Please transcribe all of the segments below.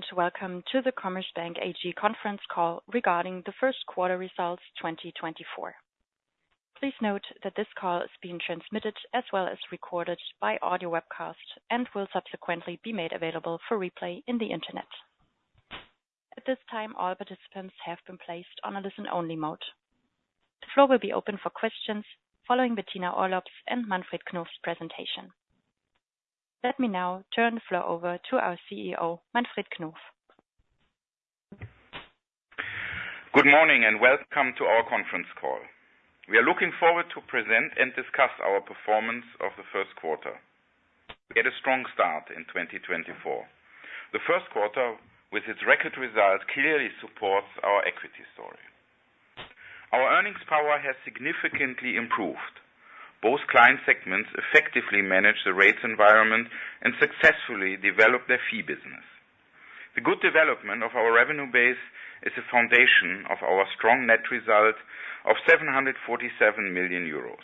Hello and welcome to the Commerzbank AG conference call regarding the first quarter results 2024. Please note that this call is being transmitted as well as recorded by audio webcast and will subsequently be made available for replay in the Internet. At this time, all participants have been placed on a listen-only mode. The floor will be open for questions following Bettina Orlopp's and Manfred Knof's presentation. Let me now turn the floor over to our CEO, Manfred Knof. Good morning and welcome to our conference call. We are looking forward to present and discuss our performance of the first quarter. We had a strong start in 2024. The first quarter, with its record result, clearly supports our equity story. Our earnings power has significantly improved. Both client segments effectively manage the rates environment and successfully develop their fee business. The good development of our revenue base is the foundation of our strong net result of 747 million euros.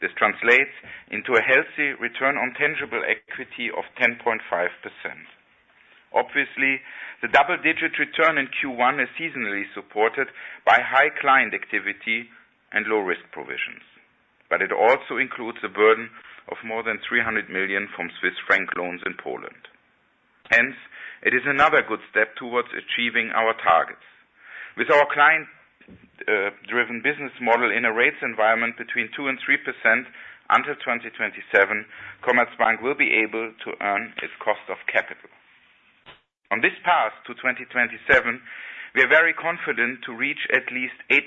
This translates into a healthy return on tangible equity of 10.5%. Obviously, the double-digit return in Q1 is seasonally supported by high client activity and low-risk provisions, but it also includes a burden of more than 300 million from Swiss franc loans in Poland. Hence, it is another good step towards achieving our targets. With our client-driven business model in a rates environment between 2% and 3% until 2027, Commerzbank will be able to earn its cost of capital. On this path to 2027, we are very confident to reach at least 8%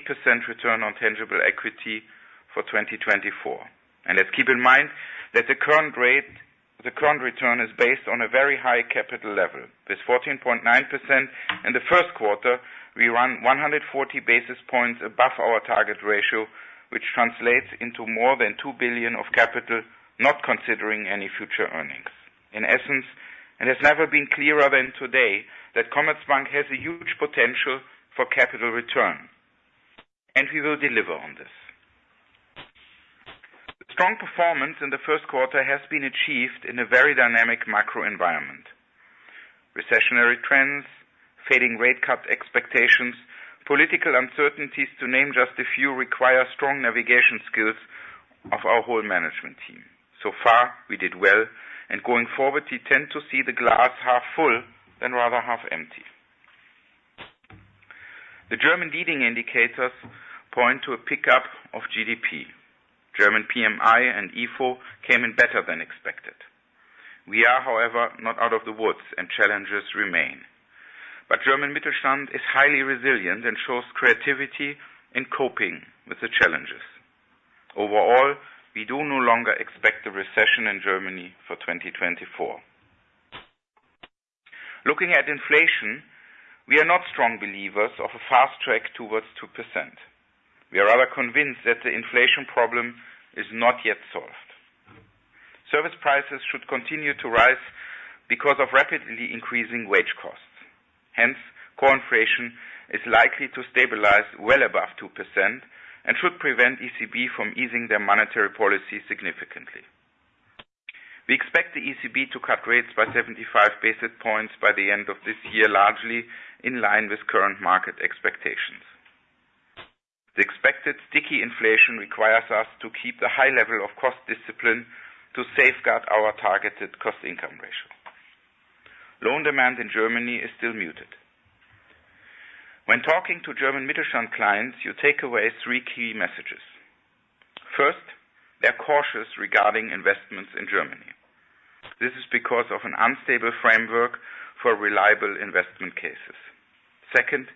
return on tangible equity for 2024. And let's keep in mind that the current rate the current return is based on a very high capital level. With 14.9% in the first quarter, we run 140 basis points above our target ratio, which translates into more than 2 billion of capital not considering any future earnings. In essence, it has never been clearer than today that Commerzbank has a huge potential for capital return, and we will deliver on this. Strong performance in the first quarter has been achieved in a very dynamic macro environment. Recessionary trends, fading rate cut expectations, political uncertainties, to name just a few, require strong navigation skills of our whole management team. So far, we did well, and going forward, we tend to see the glass half full rather than half empty. The German leading indicators point to a pickup of GDP. German PMI and IFO came in better than expected. We are, however, not out of the woods, and challenges remain. But German Mittelstand is highly resilient and shows creativity in coping with the challenges. Overall, we no longer expect a recession in Germany for 2024. Looking at inflation, we are not strong believers of a fast track towards 2%. We are rather convinced that the inflation problem is not yet solved. Service prices should continue to rise because of rapidly increasing wage costs. Hence, core inflation is likely to stabilize well above 2% and should prevent ECB from easing their monetary policy significantly. We expect the ECB to cut rates by 75 basis points by the end of this year, largely in line with current market expectations. The expected sticky inflation requires us to keep the high level of cost discipline to safeguard our targeted cost-income ratio. Loan demand in Germany is still muted. When talking to German Mittelstand clients, you take away three key messages. First, they are cautious regarding investments in Germany. This is because of an unstable framework for reliable investment cases. Second,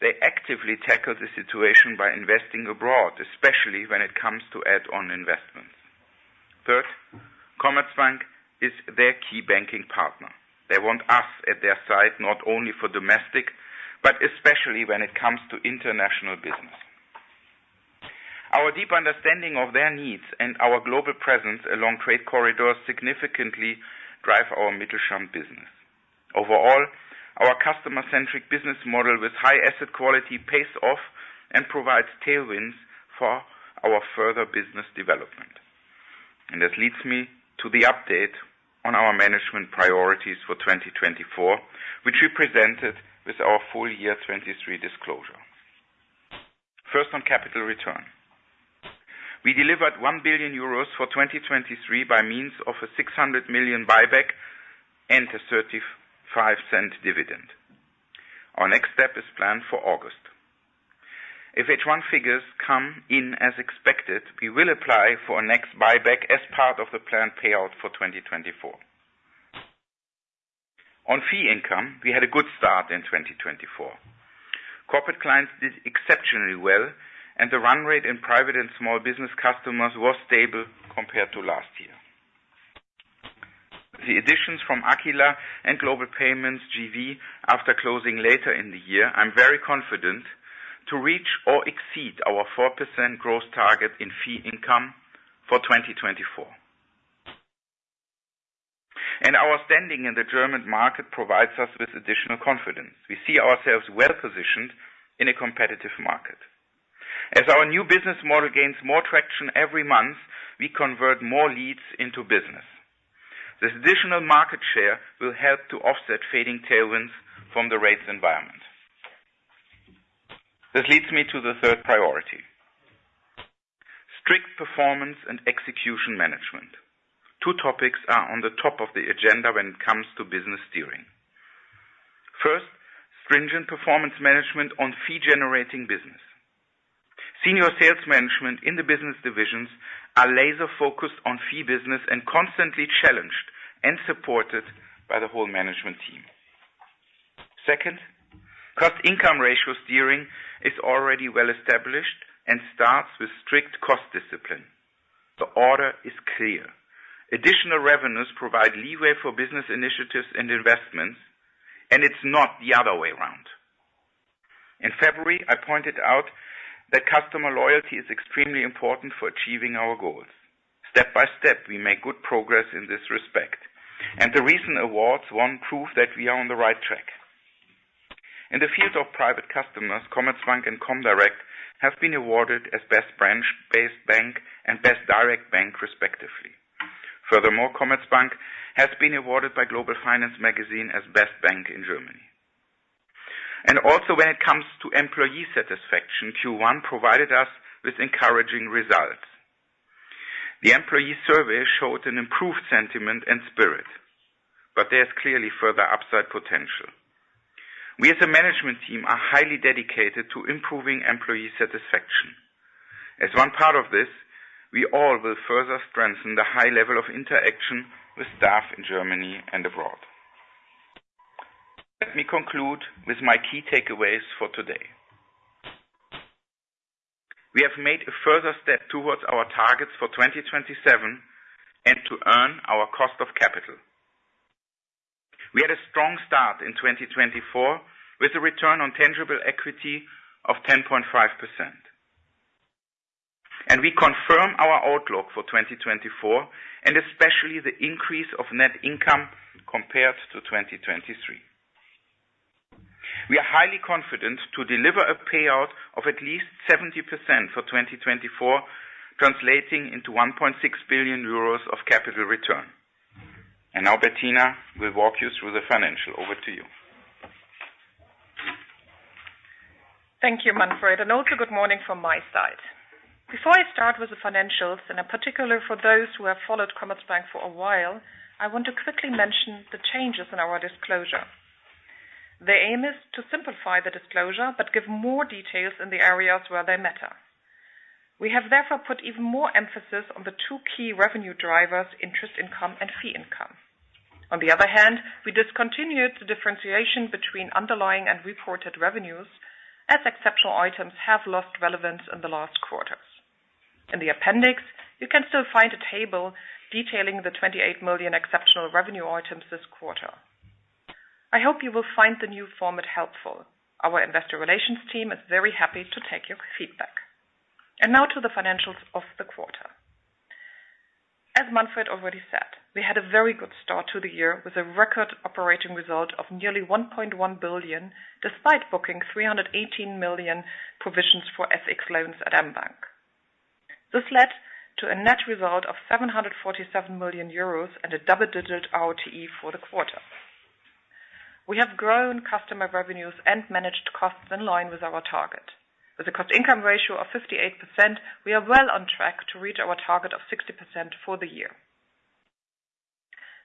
they actively tackle the situation by investing abroad, especially when it comes to add-on investments. Third, Commerzbank is their key banking partner. They want us at their side not only for domestic but especially when it comes to international business. Our deep understanding of their needs and our global presence along trade corridors significantly drive our Mittelstand business. Overall, our customer-centric business model with high asset quality pays off and provides tailwinds for our further business development. This leads me to the update on our management priorities for 2024, which we presented with our full year 2023 disclosure. First, on capital return. We delivered 1 billion euros for 2023 by means of a 600 million buyback and a 0.35 dividend. Our next step is planned for August. If H1 figures come in as expected, we will apply for a next buyback as part of the planned payout for 2024. On fee income, we had a good start in 2024. Corporate Clients did exceptionally well, and the run rate in Private and Small-Business Customers was stable compared to last year. The additions from Aquila and Global Payments JV after closing later in the year, I'm very confident, to reach or exceed our 4% gross target in fee income for 2024. Our standing in the German market provides us with additional confidence. We see ourselves well-positioned in a competitive market. As our new business model gains more traction every month, we convert more leads into business. This additional market share will help to offset fading tailwinds from the rates environment. This leads me to the third priority: strict performance and execution management. Two topics are on the top of the agenda when it comes to business steering. First, stringent performance management on fee-generating business. Senior sales management in the business divisions are laser-focused on fee business and constantly challenged and supported by the whole management team. Second, cost-income ratio steering is already well-established and starts with strict cost discipline. The order is clear. Additional revenues provide leeway for business initiatives and investments, and it's not the other way around. In February, I pointed out that customer loyalty is extremely important for achieving our goals. Step by step, we make good progress in this respect, and the recent awards won prove that we are on the right track. In the field of private customers, Commerzbank and comdirect have been awarded as best branch-based bank and best direct bank, respectively. Furthermore, Commerzbank has been awarded by Global Finance magazine as best bank in Germany. Also, when it comes to employee satisfaction, Q1 provided us with encouraging results. The employee survey showed an improved sentiment and spirit, but there's clearly further upside potential. We, as a management team, are highly dedicated to improving employee satisfaction. As one part of this, we all will further strengthen the high level of interaction with staff in Germany and abroad. Let me conclude with my key takeaways for today. We have made a further step towards our targets for 2027 and to earn our cost of capital. We had a strong start in 2024 with a return on tangible equity of 10.5%. We confirm our outlook for 2024 and especially the increase of net income compared to 2023. We are highly confident to deliver a payout of at least 70% for 2024, translating into 1.6 billion euros of capital return. Now, Bettina, we'll walk you through the financial. Over to you. Thank you, Manfred. Also, good morning from my side. Before I start with the financials, and in particular for those who have followed Commerzbank for a while, I want to quickly mention the changes in our disclosure. The aim is to simplify the disclosure but give more details in the areas where they matter. We have, therefore, put even more emphasis on the two key revenue drivers: interest income and fee income. On the other hand, we discontinued the differentiation between underlying and reported revenues as exceptional items have lost relevance in the last quarters. In the appendix, you can still find a table detailing the 28 million exceptional revenue items this quarter. I hope you will find the new format helpful. Our investor relations team is very happy to take your feedback. Now to the financials of the quarter. As Manfred already said, we had a very good start to the year with a record operating result of nearly 1.1 billion despite booking 318 million provisions for FX loans at mBank. This led to a net result of 747 million euros and a double-digit ROTE for the quarter. We have grown customer revenues and managed costs in line with our target. With a cost-income ratio of 58%, we are well on track to reach our target of 60% for the year.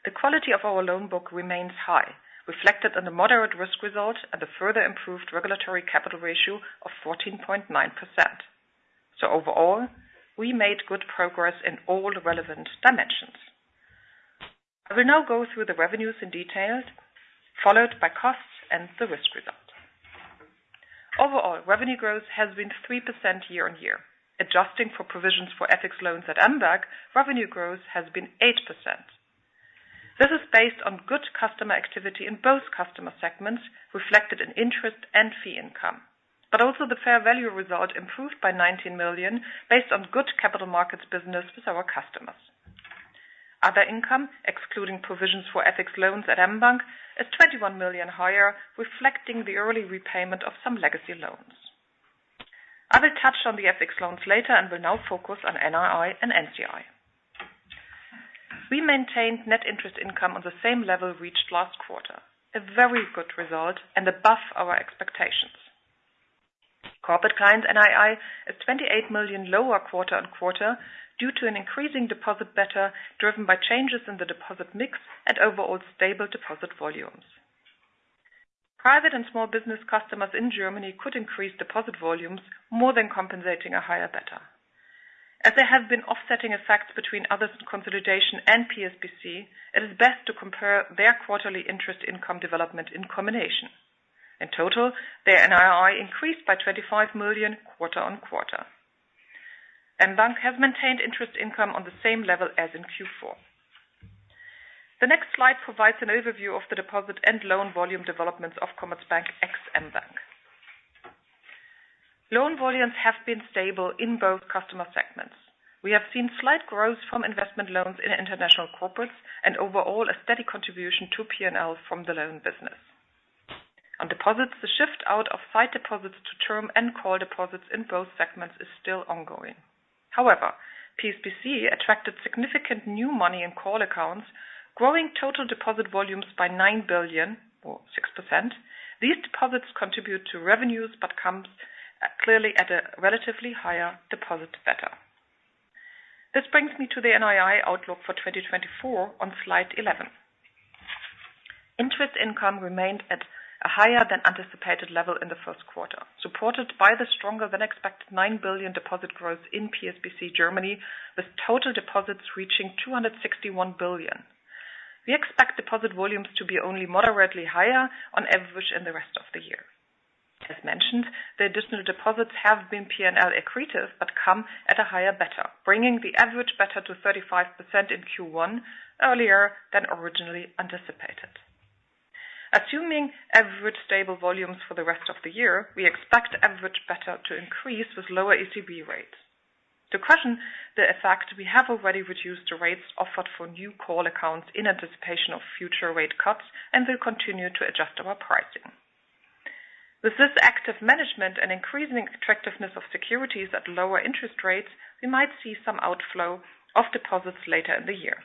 The quality of our loan book remains high, reflected in the moderate risk result and the further improved regulatory capital ratio of 14.9%. So overall, we made good progress in all relevant dimensions. I will now go through the revenues in detail, followed by costs and the risk result. Overall, revenue growth has been 3% year-on-year. Adjusting for provisions for FX loans at mBank, revenue growth has been 8%. This is based on good customer activity in both customer segments, reflected in interest and fee income, but also the fair value result improved by 19 million based on good capital markets business with our customers. Other income, excluding provisions for FX loans at mBank, is 21 million higher, reflecting the early repayment of some legacy loans. I will touch on the FX loans later and will now focus on NII and NCI. We maintained net interest income on the same level reached last quarter, a very good result and above our expectations. Corporate Clients' NII is 28 million lower quarter-on-quarter due to an increasing deposit beta driven by changes in the deposit mix and overall stable deposit volumes. Private and Small-Business Customers in Germany could increase deposit volumes more than compensating for a higher beta. As there have been offsetting effects between other segments in consolidation and PSBC, it is best to compare their quarterly interest income development in combination. In total, their NII increased by 25 million quarter-over-quarter. mBank has maintained interest income on the same level as in Q4. The next slide provides an overview of the deposit and loan volume developments of Commerzbank ex mBank. Loan volumes have been stable in both customer segments. We have seen slight growth from investment loans in international corporates and overall a steady contribution to P&L from the loan business. On deposits, the shift out of sight deposits to term and call deposits in both segments is still ongoing. However, PSBC attracted significant new money in call accounts, growing total deposit volumes by 9 billion or 6%. These deposits contribute to revenues but come clearly at a relatively higher deposit beta. This brings me to the NII outlook for 2024 on slide 11. Interest income remained at a higher than anticipated level in the first quarter, supported by the stronger than expected 9 billion deposit growth in PSBC Germany, with total deposits reaching 261 billion. We expect deposit volumes to be only moderately higher on average in the rest of the year. As mentioned, the additional deposits have been P&L accretive but come at a higher beta, bringing the average beta to 35% in Q1, earlier than originally anticipated. Assuming average stable volumes for the rest of the year, we expect average beta to increase with lower ECB rates. To cushion the effect, we have already reduced the rates offered for new call accounts in anticipation of future rate cuts and will continue to adjust our pricing. With this active management and increasing attractiveness of securities at lower interest rates, we might see some outflow of deposits later in the year.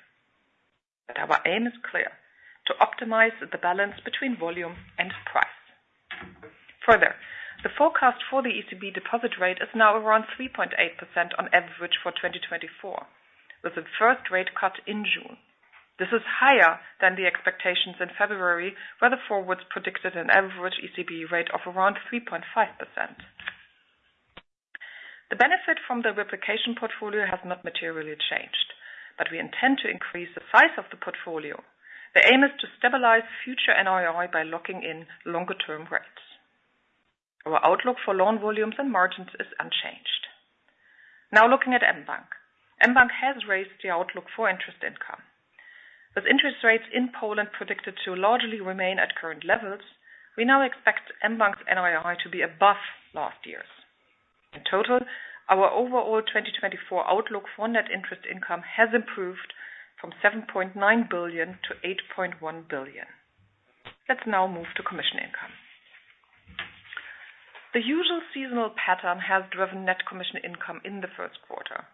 But our aim is clear: to optimize the balance between volume and price. Further, the forecast for the ECB deposit rate is now around 3.8% on average for 2024, with the first rate cut in June. This is higher than the expectations in February, where the forwards predicted an average ECB rate of around 3.5%. The benefit from the replication portfolio has not materially changed, but we intend to increase the size of the portfolio. The aim is to stabilize future NII by locking in longer-term rates. Our outlook for loan volumes and margins is unchanged. Now looking at mBank. mBank has raised the outlook for interest income. With interest rates in Poland predicted to largely remain at current levels, we now expect mBank's NII to be above last year's. In total, our overall 2024 outlook for net interest income has improved from 7.9 billion to 8.1 billion. Let's now move to commission income. The usual seasonal pattern has driven net commission income in the first quarter.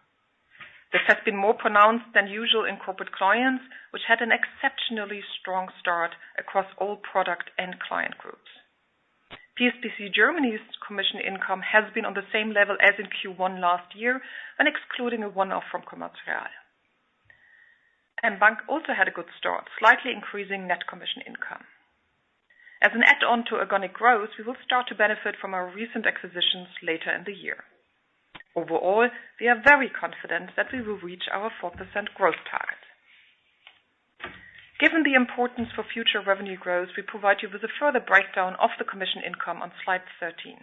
This has been more pronounced than usual in Corporate Clients, which had an exceptionally strong start across all product and client groups. PSBC Germany's commission income has been on the same level as in Q1 last year, excluding a one-off from Commerz Real. mBank also had a good start, slightly increasing net commission income. As an add-on to organic growth, we will start to benefit from our recent acquisitions later in the year. Overall, we are very confident that we will reach our 4% growth target. Given the importance for future revenue growth, we provide you with a further breakdown of the commission income on slide 13.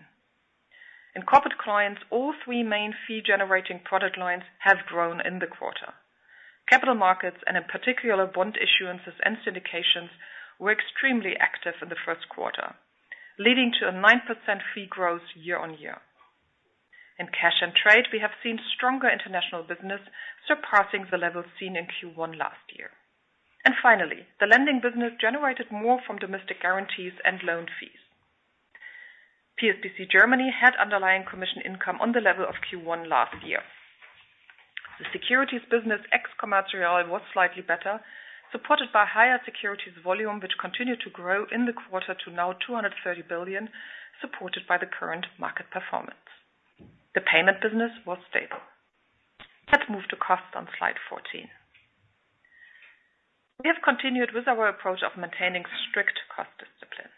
In corporate clients, all three main fee-generating product lines have grown in the quarter. Capital markets and, in particular, bond issuances and syndications were extremely active in the first quarter, leading to a 9% fee growth year-on-year. In cash and trade, we have seen stronger international business surpassing the levels seen in Q1 last year. And finally, the lending business generated more from domestic guarantees and loan fees. PSBC Germany had underlying commission income on the level of Q1 last year. The securities business ex Commerz Real was slightly better, supported by higher securities volume, which continued to grow in the quarter to now 230 billion, supported by the current market performance. The payment business was stable. Let's move to costs on slide 14. We have continued with our approach of maintaining strict cost discipline.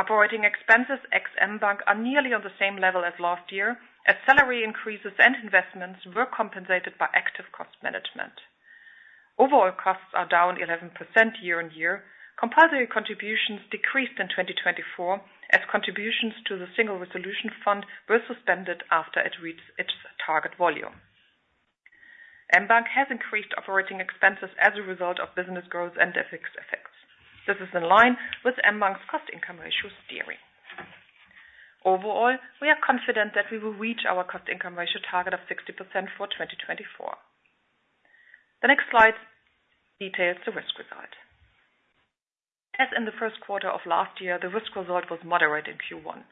Operating expenses ex mBank are nearly on the same level as last year, as salary increases and investments were compensated by active cost management. Overall costs are down 11% year-over-year. Compulsory contributions decreased in 2024 as contributions to the Single Resolution Fund were suspended after it reached its target volume. mBank has increased operating expenses as a result of business growth and FX effects. This is in line with mBank's cost-income ratio steering. Overall, we are confident that we will reach our cost-income ratio target of 60% for 2024. The next slide details the risk result. As in the first quarter of last year, the risk result was moderate in Q1.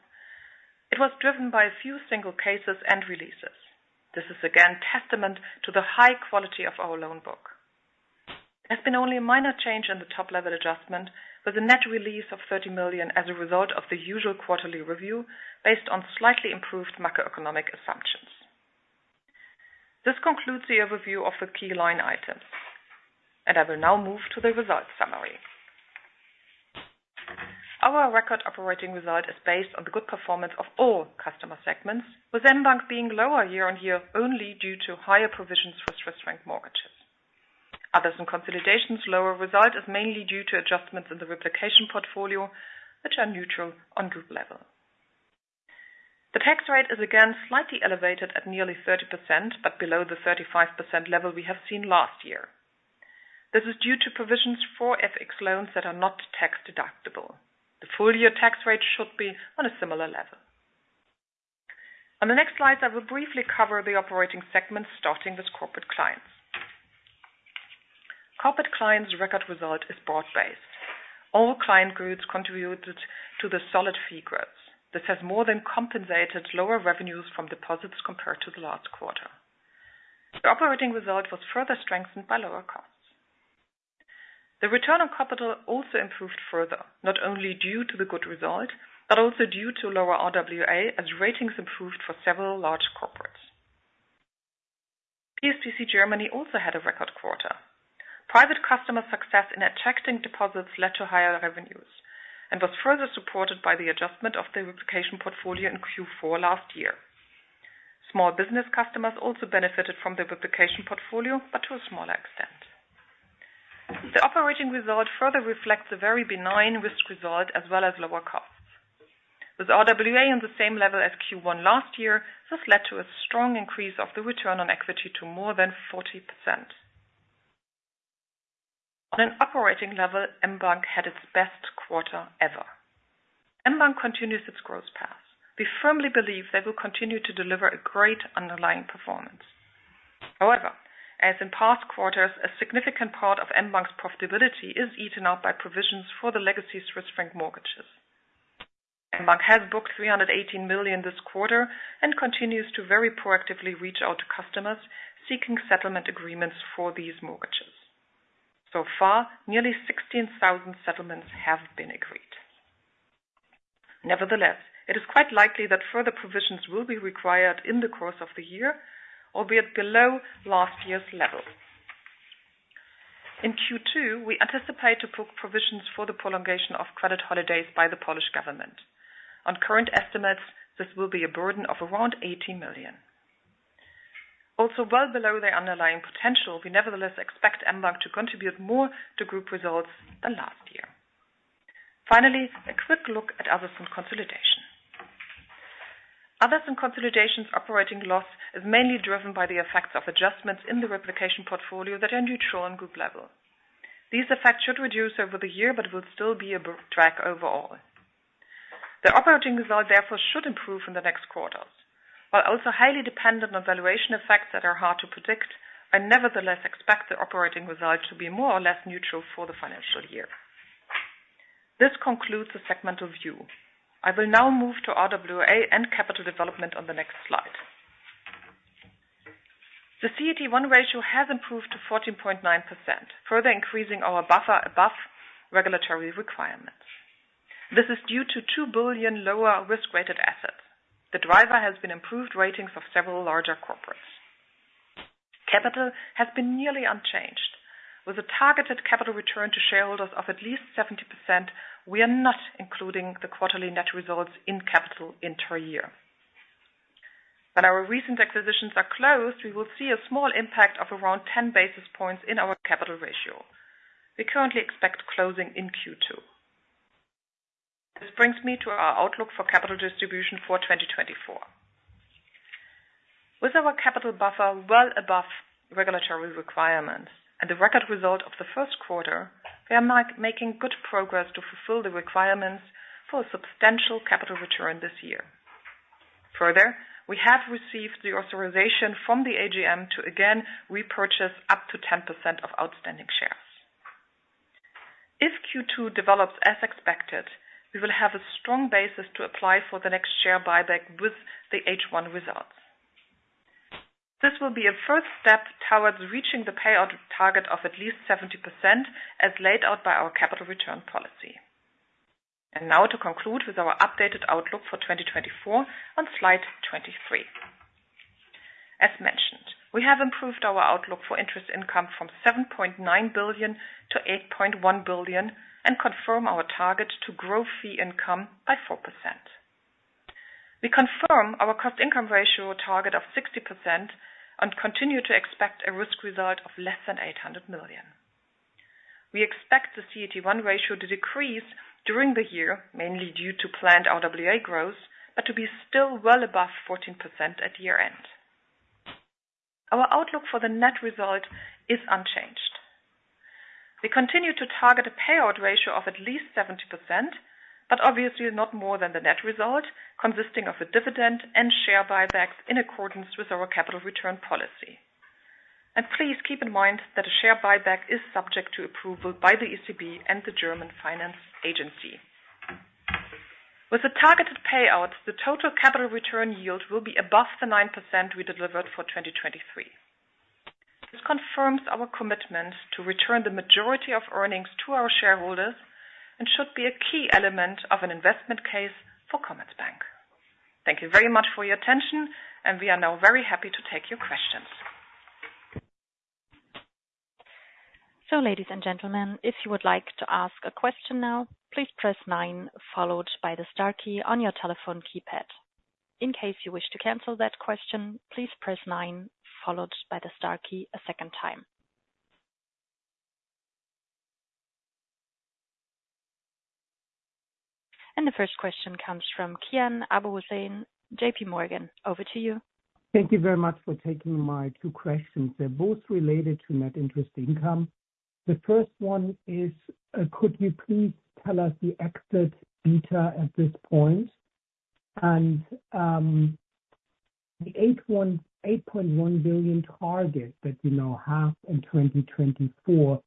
It was driven by a few single cases and releases. This is, again, testament to the high quality of our loan book. There has been only a minor change in the top-level adjustment, with a net release of 30 million as a result of the usual quarterly review based on slightly improved macroeconomic assumptions. This concludes the overview of the key line items, and I will now move to the result summary. Our record operating result is based on the good performance of all customer segments, with mBank being lower year-on-year only due to higher provisions for Swiss franc mortgages. Others and Consolidation's lower result is mainly due to adjustments in the replication portfolio, which are neutral on group level. The tax rate is, again, slightly elevated at nearly 30% but below the 35% level we have seen last year. This is due to provisions for FX loans that are not tax-deductible. The full-year tax rate should be on a similar level. On the next slides, I will briefly cover the operating segments starting with Corporate Clients. Corporate Clients' record result is broad-based. All client groups contributed to the solid fee growth. This has more than compensated lower revenues from deposits compared to the last quarter. The operating result was further strengthened by lower costs. The return on capital also improved further, not only due to the good result but also due to lower RWA, as ratings improved for several large corporates. PSBC Germany also had a record quarter. Private customer success in attracting deposits led to higher revenues and was further supported by the adjustment of the replication portfolio in Q4 last year. Small business customers also benefited from the replication portfolio but to a smaller extent. The operating result further reflects a very benign risk result as well as lower costs. With RWA on the same level as Q1 last year, this led to a strong increase of the return on equity to more than 40%. On an operating level, mBank had its best quarter ever. mBank continues its growth path. We firmly believe they will continue to deliver a great underlying performance. However, as in past quarters, a significant part of mBank's profitability is eaten up by provisions for the legacy Swiss franc mortgages. mBank has booked 318 million this quarter and continues to very proactively reach out to customers seeking settlement agreements for these mortgages. So far, nearly 16,000 settlements have been agreed. Nevertheless, it is quite likely that further provisions will be required in the course of the year, albeit below last year's level. In Q2, we anticipate to book provisions for the prolongation of credit holidays by the Polish government. On current estimates, this will be a burden of around 80 million. Also, well below their underlying potential, we nevertheless expect mBank to contribute more to group results than last year. Finally, a quick look at Others and Consolidation. Others and Consolidation's operating loss is mainly driven by the effects of adjustments in the replication portfolio that are neutral on group level. These effects should reduce over the year but will still be a drag overall. The operating result, therefore, should improve in the next quarters. While also highly dependent on valuation effects that are hard to predict, I nevertheless expect the operating result to be more or less neutral for the financial year. This concludes the segmental view. I will now move to RWA and capital development on the next slide. The CET1 ratio has improved to 14.9%, further increasing our buffer above regulatory requirements. This is due to 2 billion lower risk-rated assets. The driver has been improved ratings of several larger corporates. Capital has been nearly unchanged. With a targeted capital return to shareholders of at least 70%, we are not including the quarterly net results in capital inter-year. When our recent acquisitions are closed, we will see a small impact of around 10 basis points in our capital ratio. We currently expect closing in Q2. This brings me to our outlook for capital distribution for 2024. With our capital buffer well above regulatory requirements and the record result of the first quarter, we are making good progress to fulfill the requirements for a substantial capital return this year. Further, we have received the authorization from the AGM to, again, repurchase up to 10% of outstanding shares. If Q2 develops as expected, we will have a strong basis to apply for the next share buyback with the H1 results. This will be a first step towards reaching the payout target of at least 70% as laid out by our capital return policy. And now to conclude with our updated outlook for 2024 on slide 23. As mentioned, we have improved our outlook for interest income from 7.9 billion-8.1 billion and confirm our target to growth fee income by 4%. We confirm our cost-income ratio target of 60% and continue to expect a risk result of less than 800 million. We expect the CET1 ratio to decrease during the year, mainly due to planned RWA growth, but to be still well above 14% at year-end. Our outlook for the net result is unchanged. We continue to target a payout ratio of at least 70% but, obviously, not more than the net result, consisting of a dividend and share buybacks in accordance with our capital return policy. And please keep in mind that a share buyback is subject to approval by the ECB and the German Finance Agency. With a targeted payout, the total capital return yield will be above the 9% we delivered for 2023. This confirms our commitment to return the majority of earnings to our shareholders and should be a key element of an investment case for Commerzbank. Thank you very much for your attention, and we are now very happy to take your questions. So, ladies and gentlemen, if you would like to ask a question now, please press nine followed by the star key on your telephone keypad. In case you wish to cancel that question, please press nine followed by the star key a second time. The first question comes from Kian Abouhossein, JPMorgan. Over to you. Thank you very much for taking my two questions. They're both related to net interest income. The first one is, could you please tell us the exit beta at this point? And the 8.1 billion target that you now have in 2024,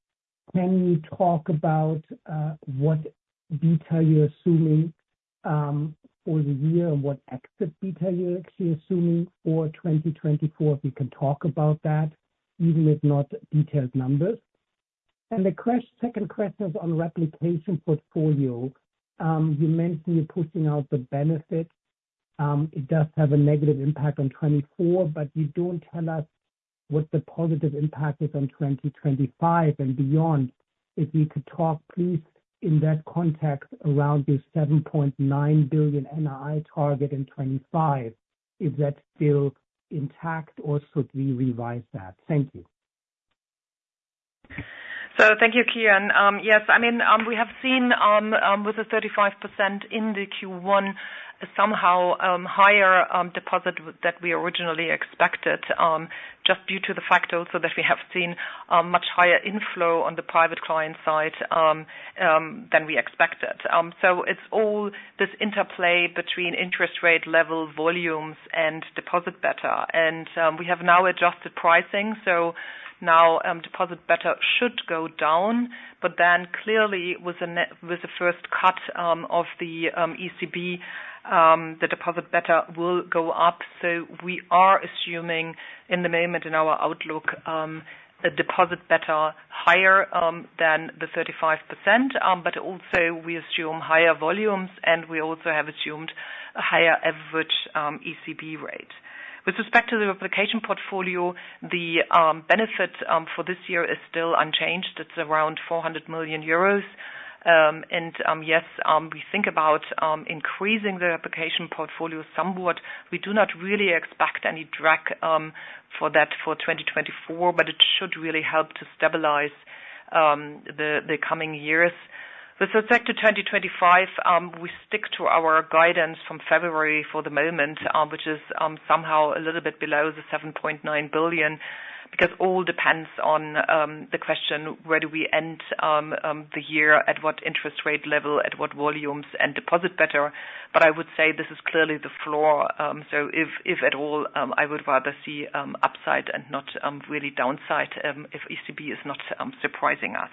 can you talk about what beta you're assuming for the year and what exit beta you're actually assuming for 2024? If you can talk about that, even if not detailed numbers. And the second question is on replication portfolio. You mentioned you're pushing out the benefit. It does have a negative impact on 2024, but you don't tell us what the positive impact is on 2025 and beyond. If you could talk, please, in that context around your 7.9 billion NII target in 2025, is that still intact, or should we revise that? Thank you. So, thank you, Kian. Yes, I mean, we have seen, with the 35% in the Q1, somehow higher deposit that we originally expected just due to the fact also that we have seen much higher inflow on the private client side than we expected. So it's all this interplay between interest rate level, volumes, and deposit beta. And we have now adjusted pricing, so now deposit beta should go down. But then, clearly, with the first cut of the ECB, the deposit beta will go up. So we are assuming, in the moment, in our outlook, a deposit beta higher than the 35%, but also we assume higher volumes, and we also have assumed a higher average ECB rate. With respect to the replication portfolio, the benefit for this year is still unchanged. It's around 400 million euros. And yes, we think about increasing the replication portfolio somewhat. We do not really expect any drag for that for 2024, but it should really help to stabilize the coming years. With respect to 2025, we stick to our guidance from February for the moment, which is somehow a little bit below the 7.9 billion because all depends on the question: where do we end the year, at what interest rate level, at what volumes, and deposit beta? But I would say this is clearly the floor. So if at all, I would rather see upside and not really downside if ECB is not surprising us.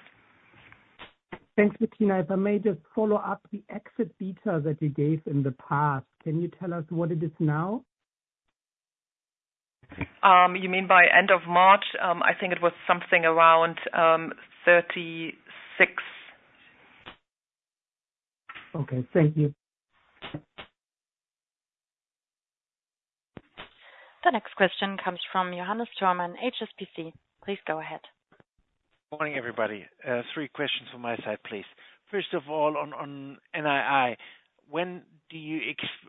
Thanks, Bettina. If I may just follow up, the exit beta that you gave in the past, can you tell us what it is now? You mean by end of March? I think it was something around 36. Okay. Thank you. The next question comes from Johannes Thormann, HSBC. Please go ahead. Morning, everybody. Three questions from my side, please. First of all, on NII,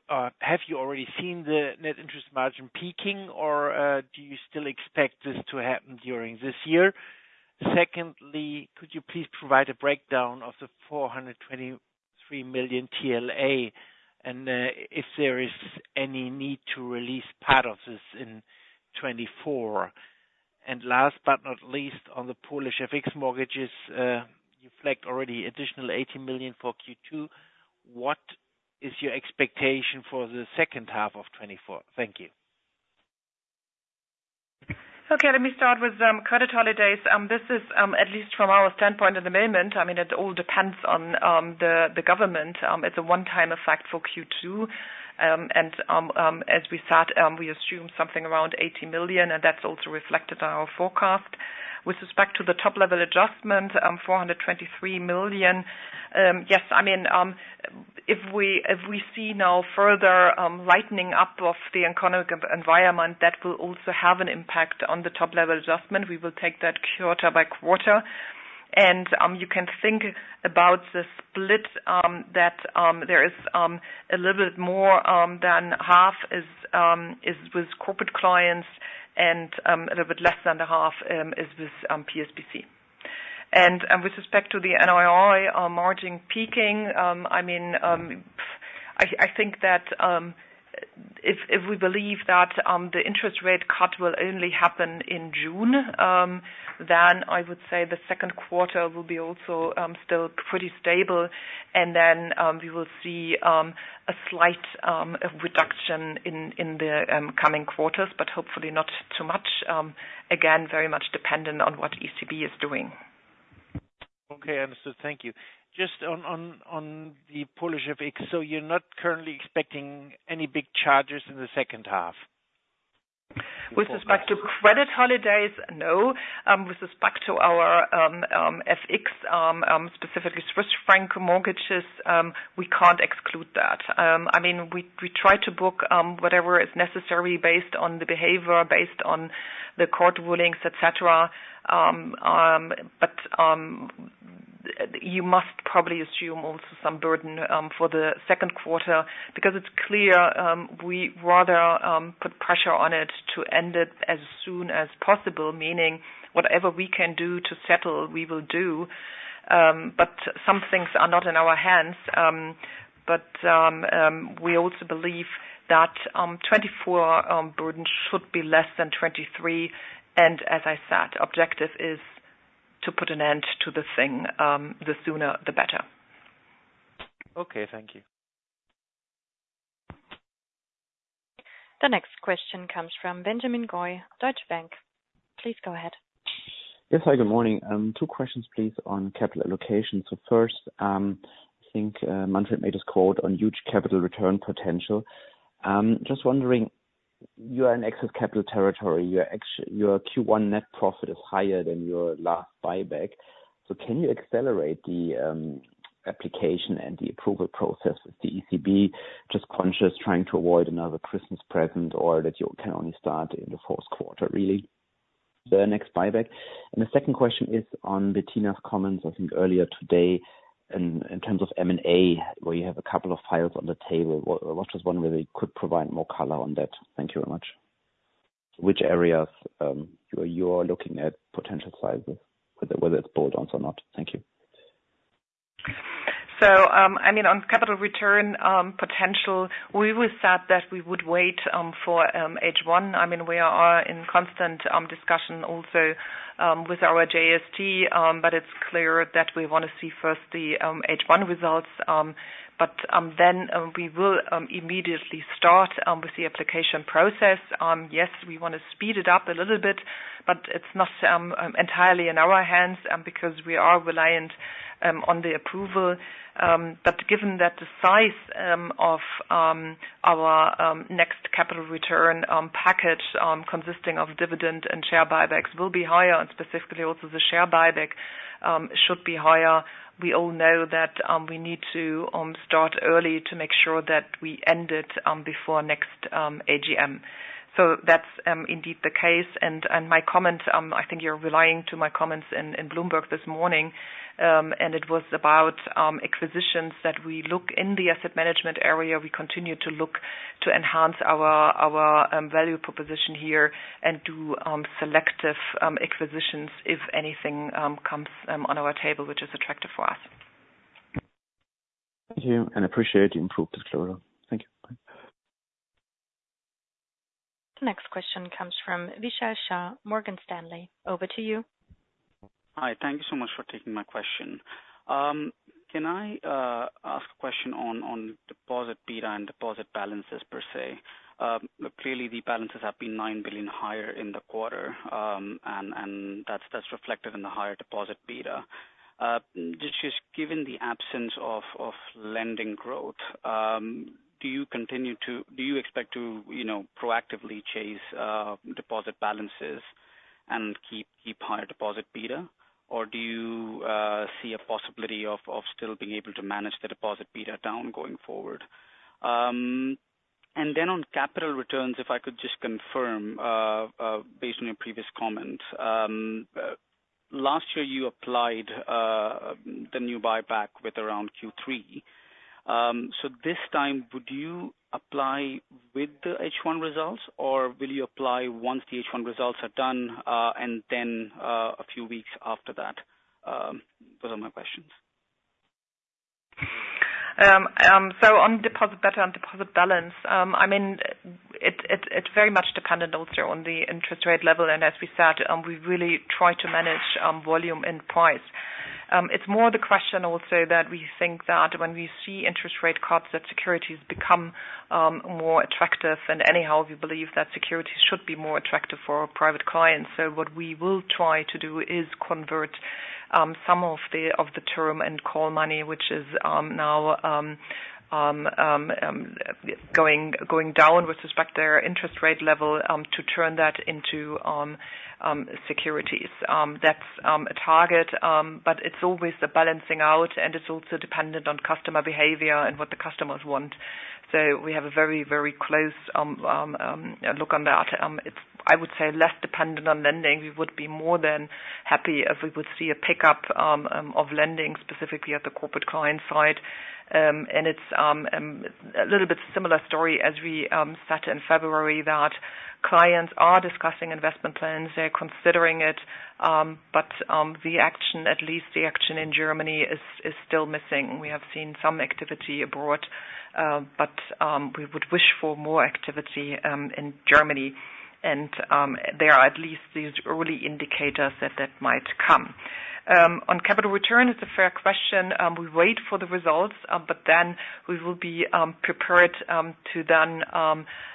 have you already seen the net interest margin peaking, or do you still expect this to happen during this year? Secondly, could you please provide a breakdown of the 423 million TLA and if there is any need to release part of this in 2024? And last but not least, on the Polish FX mortgages, you flagged already additional 80 million for Q2. What is your expectation for the second half of 2024? Thank you. Okay. Let me start with credit holidays. This is, at least from our standpoint at the moment, I mean, it all depends on the government. It's a one-time effect for Q2. As we start, we assume something around 80 million, and that's also reflected in our forecast. With respect to the top-level adjustment, 423 million, yes, I mean, if we see now further lightening up of the economic environment, that will also have an impact on the top-level adjustment. We will take that quarter by quarter. And you can think about the split that there is a little bit more than half is with Corporate Clients and a little bit less than the half is with PSBC. And with respect to the NII margin peaking, I mean, I think that if we believe that the interest rate cut will only happen in June, then I would say the second quarter will be also still pretty stable. And then we will see a slight reduction in the coming quarters but hopefully not too much. Again, very much dependent on what ECB is doing. Okay. Understood. Thank you. Just on the Polish FX, so you're not currently expecting any big charges in the second half? With respect to credit holidays, no. With respect to our FX, specifically Swiss franc mortgages, we can't exclude that. I mean, we try to book whatever is necessary based on the behavior, based on the court rulings, etc. But you must probably assume also some burden for the second quarter because it's clear we rather put pressure on it to end it as soon as possible, meaning whatever we can do to settle, we will do. But some things are not in our hands. But we also believe that 2024 burden should be less than 2023. And as I said, objective is to put an end to the thing. The sooner, the better. Okay. Thank you. The next question comes from Benjamin Goy, Deutsche Bank. Please go ahead. Yes. Hi. Good morning. Two questions, please, on capital allocation. So first, I think Manfred made us quote on huge capital return potential. Just wondering, you are in excess capital territory. Your Q1 net profit is higher than your last buyback. So can you accelerate the application and the approval process with the ECB, just conscious trying to avoid another Christmas present or that you can only start in the fourth quarter, really? Their next buyback. And the second question is on Bettina's comments, I think, earlier today, in terms of M&A, where you have a couple of files on the table. What was one where they could provide more color on that? Thank you very much. Which areas you are looking at potential sizes, whether it's bolt-on or not? Thank you. So, I mean, on capital return potential, we will start that we would wait for H1. I mean, we are in constant discussion also with our JST, but it's clear that we want to see first the H1 results. But then we will immediately start with the application process. Yes, we want to speed it up a little bit, but it's not entirely in our hands because we are reliant on the approval. But given that the size of our next capital return package consisting of dividend and share buybacks will be higher and specifically also the share buyback should be higher, we all know that we need to start early to make sure that we end it before next AGM. So that's indeed the case. And my comment, I think you're referring to my comments in Bloomberg this morning, and it was about acquisitions that we look in the asset management area. We continue to look to enhance our value proposition here and do selective acquisitions if anything comes on our table which is attractive for us. Thank you. And appreciate the improved disclosure. Thank you. The next question comes from Vishal Shah, Morgan Stanley. Over to you. Hi. Thank you so much for taking my question. Can I ask a question on deposit beta and deposit balances per se? Clearly, the balances have been 9 billion higher in the quarter, and that's reflected in the higher deposit beta. Just given the absence of lending growth, do you continue to expect to proactively chase deposit balances and keep higher deposit beta, or do you see a possibility of still being able to manage the deposit beta down going forward? And then on capital returns, if I could just confirm, based on your previous comments, last year, you applied the new buyback with around Q3. So this time, would you apply with the H1 results, or will you apply once the H1 results are done and then a few weeks after that? Those are my questions. So on deposit beta and deposit balance, I mean, it very much depended also on the interest rate level. And as we said, we really try to manage volume and price. It's more the question also that we think that when we see interest rate cuts, that securities become more attractive. Anyhow, we believe that securities should be more attractive for private clients. So what we will try to do is convert some of the term and call money, which is now going down with respect to their interest rate level, to turn that into securities. That's a target. But it's always a balancing out, and it's also dependent on customer behavior and what the customers want. So we have a very, very close look on that. I would say less dependent on lending. We would be more than happy if we would see a pickup of lending specifically at the corporate client side. And it's a little bit similar story as we said in February that clients are discussing investment plans. They're considering it. But the action, at least the action in Germany, is still missing. We have seen some activity abroad, but we would wish for more activity in Germany. There are at least these early indicators that that might come. On capital return, it's a fair question. We wait for the results, but then we will be prepared to then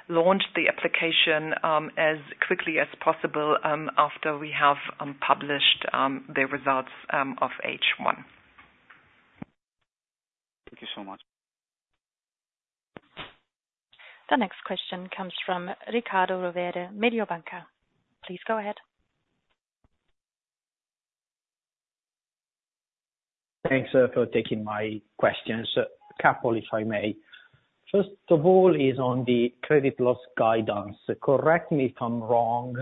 launch the application as quickly as possible after we have published the results of H1. Thank you so much. The next question comes from Riccardo Rovere, Mediobanca. Please go ahead. Thanks, sir, for taking my questions. A couple, if I may. First of all, is on the credit loss guidance. Correct me if I'm wrong,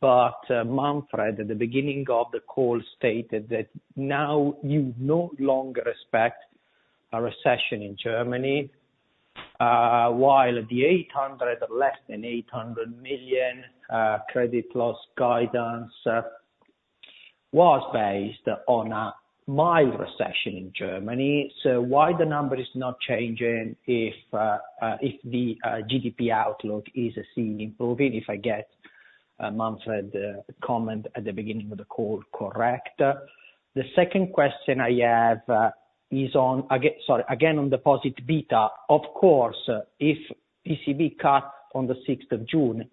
but Manfred, at the beginning of the call, stated that now you no longer expect a recession in Germany while the 800 million or less than 800 million credit loss guidance was based on a mild recession in Germany. So why the number is not changing if the GDP outlook is seen improving, if I get Manfred's comment at the beginning of the call correct? The second question I have is on, sorry, again, on deposit beta. Of course, if ECB cut on the 6th of June,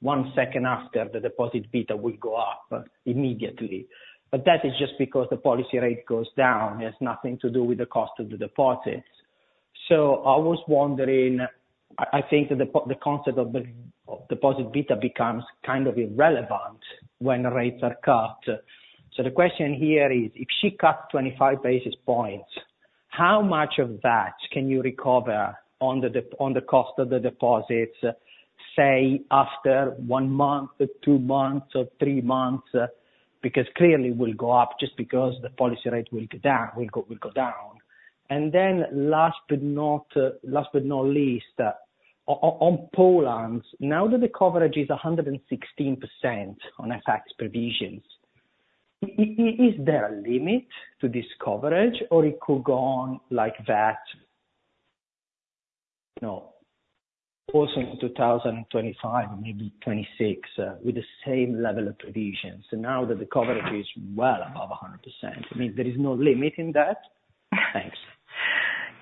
one second after, the deposit beta will go up immediately. But that is just because the policy rate goes down. It has nothing to do with the cost of the deposits. So I was wondering, I think that the concept of deposit beta becomes kind of irrelevant when rates are cut. So the question here is, if she cuts 25 basis points, how much of that can you recover on the cost of the deposits, say, after one month, two months, or three months? Because clearly, it will go up just because the policy rate will go down. And then last but not least, on Poland, now that the coverage is 116% on FX provisions, is there a limit to this coverage, or it could go on like that also in 2025, maybe 2026, with the same level of provisions now that the coverage is well above 100%? I mean, there is no limit in that? Thanks.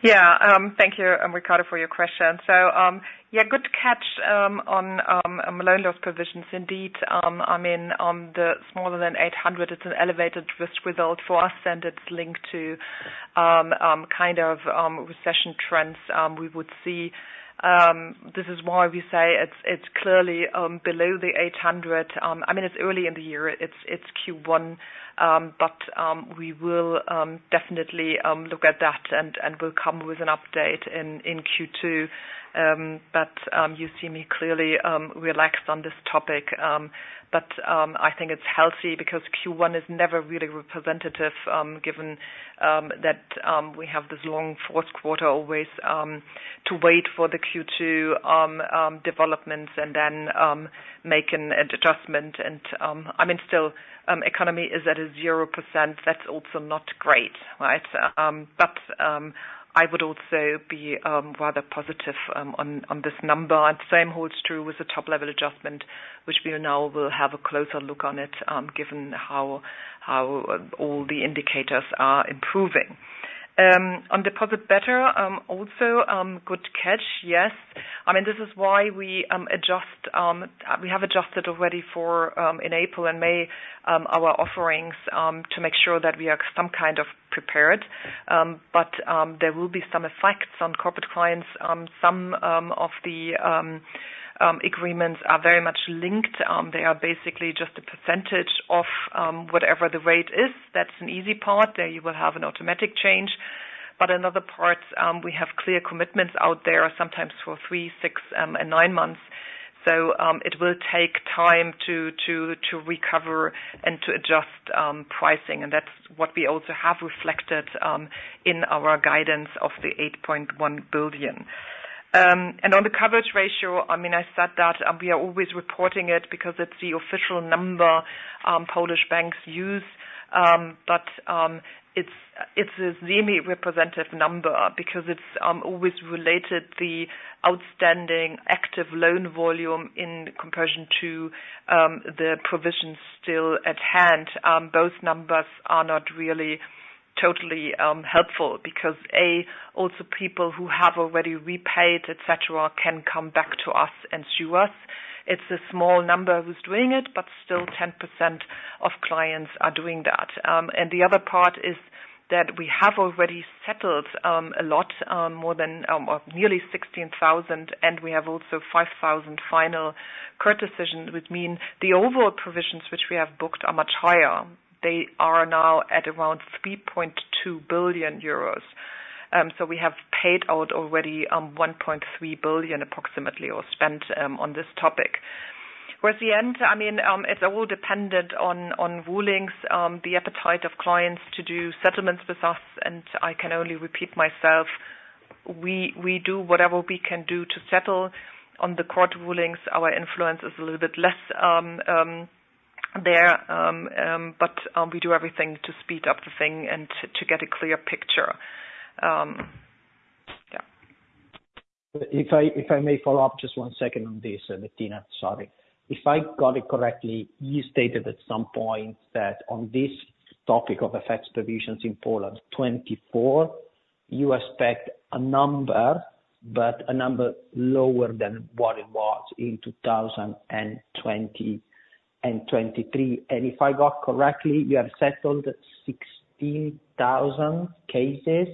Yeah. Thank you, Riccardo, for your question. So yeah, good catch on loan loss provisions, indeed. I mean, on the smaller than 800, it's an elevated risk result for us, and it's linked to kind of recession trends we would see. This is why we say it's clearly below the 800. I mean, it's early in the year. It's Q1. But we will definitely look at that, and we'll come with an update in Q2. But you see me clearly relaxed on this topic. But I think it's healthy because Q1 is never really representative given that we have this long fourth quarter, always to wait for the Q2 developments and then make an adjustment. And I mean, still, economy is at a 0%. That's also not great, right? But I would also be rather positive on this number. And the same holds true with the Top-Level Adjustment, which we now will have a closer look on it given how all the indicators are improving. On deposit beta, also good catch. Yes. I mean, this is why we have adjusted already in April and May our offerings to make sure that we are some kind of prepared. But there will be some effects on Corporate Clients. Some of the agreements are very much linked. They are basically just a percentage of whatever the rate is. That's an easy part. There you will have an automatic change. But another part, we have clear commitments out there sometimes for 3, 6, and 9 months. So it will take time to recover and to adjust pricing. And that's what we also have reflected in our guidance of the 8.1 billion. And on the coverage ratio, I mean, I said that we are always reporting it because it's the official number Polish banks use. But it's a semi-representative number because it's always related the outstanding active loan volume in comparison to the provisions still at hand. Both numbers are not really totally helpful because, A, also people who have already repaid, etc., can come back to us and sue us. It's a small number who's doing it, but still, 10% of clients are doing that. The other part is that we have already settled a lot, more than or nearly 16,000, and we have also 5,000 final court decisions, which mean the overall provisions which we have booked are much higher. They are now at around 3.2 billion euros. So we have paid out already approximately 1.3 billion or spent on this topic. Whereas in the end, I mean, it's all dependent on rulings, the appetite of clients to do settlements with us. And I can only repeat myself. We do whatever we can do to settle. On the court rulings, our influence is a little bit less there. But we do everything to speed up the thing and to get a clear picture. Yeah. If I may follow up just one second on this, Bettina. Sorry. If I got it correctly, you stated at some point that on this topic of FX provisions in Poland, 2024, you expect a number but a number lower than what it was in 2020 and 2023. And if I got it correctly, you have settled 16,000 cases,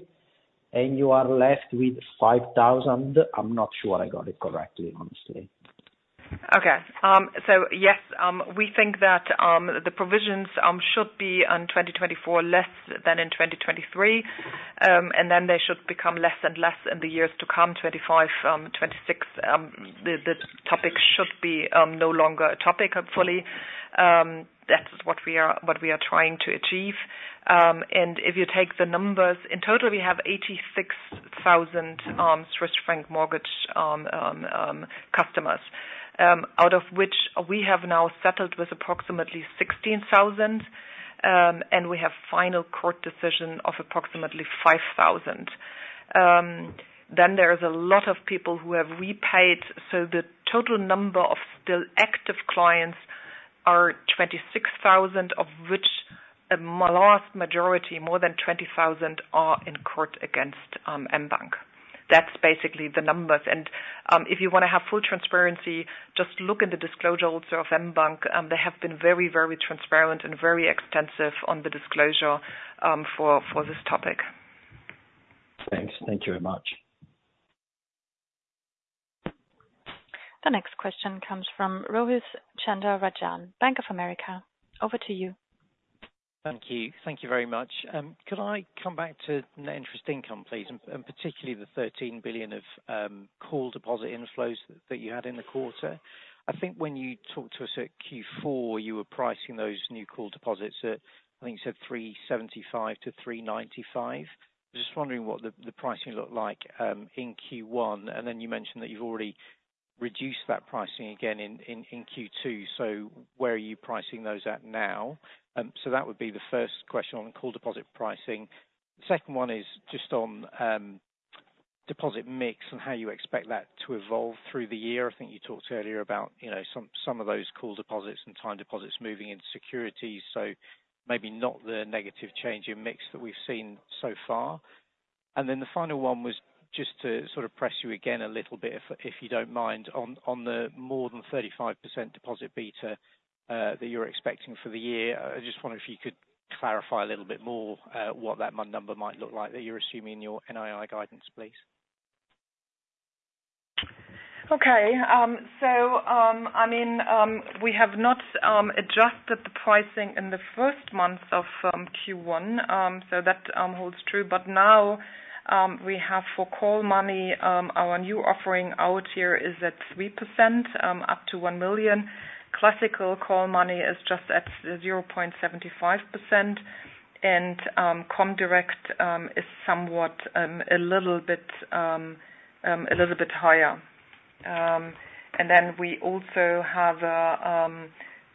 and you are left with 5,000. I'm not sure I got it correctly, honestly. Okay. So yes, we think that the provisions should be in 2024 less than in 2023, and then they should become less and less in the years to come. 2025, 2026, the topic should be no longer a topic, hopefully. That's what we are trying to achieve. And if you take the numbers, in total, we have 86,000 Swiss franc mortgage customers, out of which we have now settled with approximately 16,000, and we have final court decision of approximately 5,000. Then there is a lot of people who have repaid. So the total number of still active clients are 26,000, of which a vast majority, more than 20,000, are in court against mBank. That's basically the numbers. And if you want to have full transparency, just look in the disclosure also of mBank. They have been very, very transparent and very extensive on the disclosure for this topic. Thanks. Thank you very much. The next question comes from Rohith Chandra-Rajan, Bank of America. Over to you. Thank you. Thank you very much. Could I come back to net interest income, please, and particularly the 13 billion of call deposit inflows that you had in the quarter? I think when you talked to us at Q4, you were pricing those new call deposits at I think you said 375-395. I was just wondering what the pricing looked like in Q1. And then you mentioned that you've already reduced that pricing again in Q2. So where are you pricing those at now? So that would be the first question on call deposit pricing. The second one is just on deposit mix and how you expect that to evolve through the year. I think you talked earlier about some of those call deposits and time deposits moving into securities, so maybe not the negative change in mix that we've seen so far. And then the final one was just to sort of press you again a little bit, if you don't mind, on the more than 35% deposit beta that you're expecting for the year. I just wonder if you could clarify a little bit more what that number might look like that you're assuming in your NII guidance, please. Okay. So I mean, we have not adjusted the pricing in the first months of Q1. So that holds true. But now we have for call money, our new offering out here is at 3% up to 1 million. Classical call money is just at 0.75%. And comdirect is somewhat a little bit higher. And then we also have a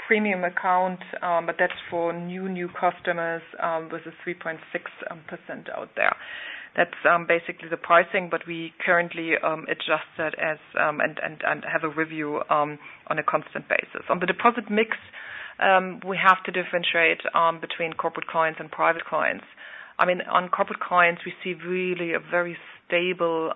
premium account, but that's for new, new customers with a 3.6% out there. That's basically the pricing, but we currently adjust it and have a review on a constant basis. On the deposit mix, we have to differentiate between corporate clients and private clients. I mean, on corporate clients, we see really a very stable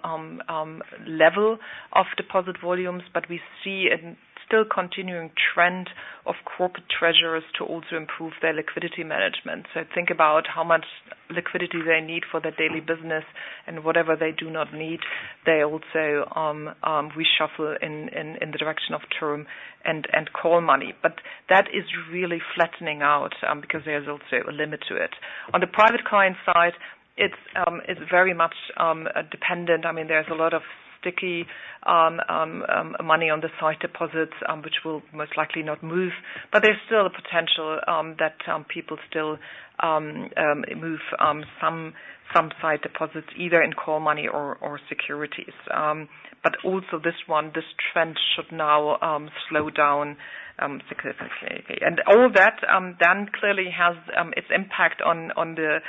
level of deposit volumes, but we see a still continuing trend of corporate treasurers to also improve their liquidity management. So think about how much liquidity they need for their daily business, and whatever they do not need, they also reshuffle in the direction of term and call money. But that is really flattening out because there's also a limit to it. On the private client side, it's very much dependent. I mean, there's a lot of sticky money on the sight deposits, which will most likely not move. But there's still a potential that people still move some sight deposits, either in call money or securities. But also this one, this trend should now slow down significantly. And all that then clearly has its impact on the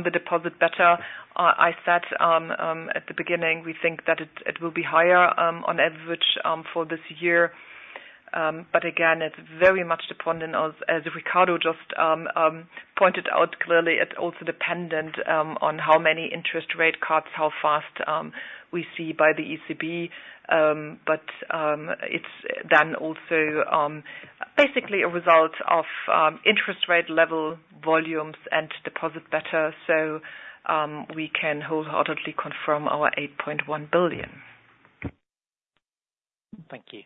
deposit beta. I said at the beginning, we think that it will be higher on average for this year. But again, it's very much dependent. As Riccardo just pointed out clearly, it's also dependent on how many interest rate cuts, how fast we see by the ECB. But it's then also basically a result of interest rate level volumes and deposit beta. So we can wholeheartedly confirm our 8.1 billion. Thank you.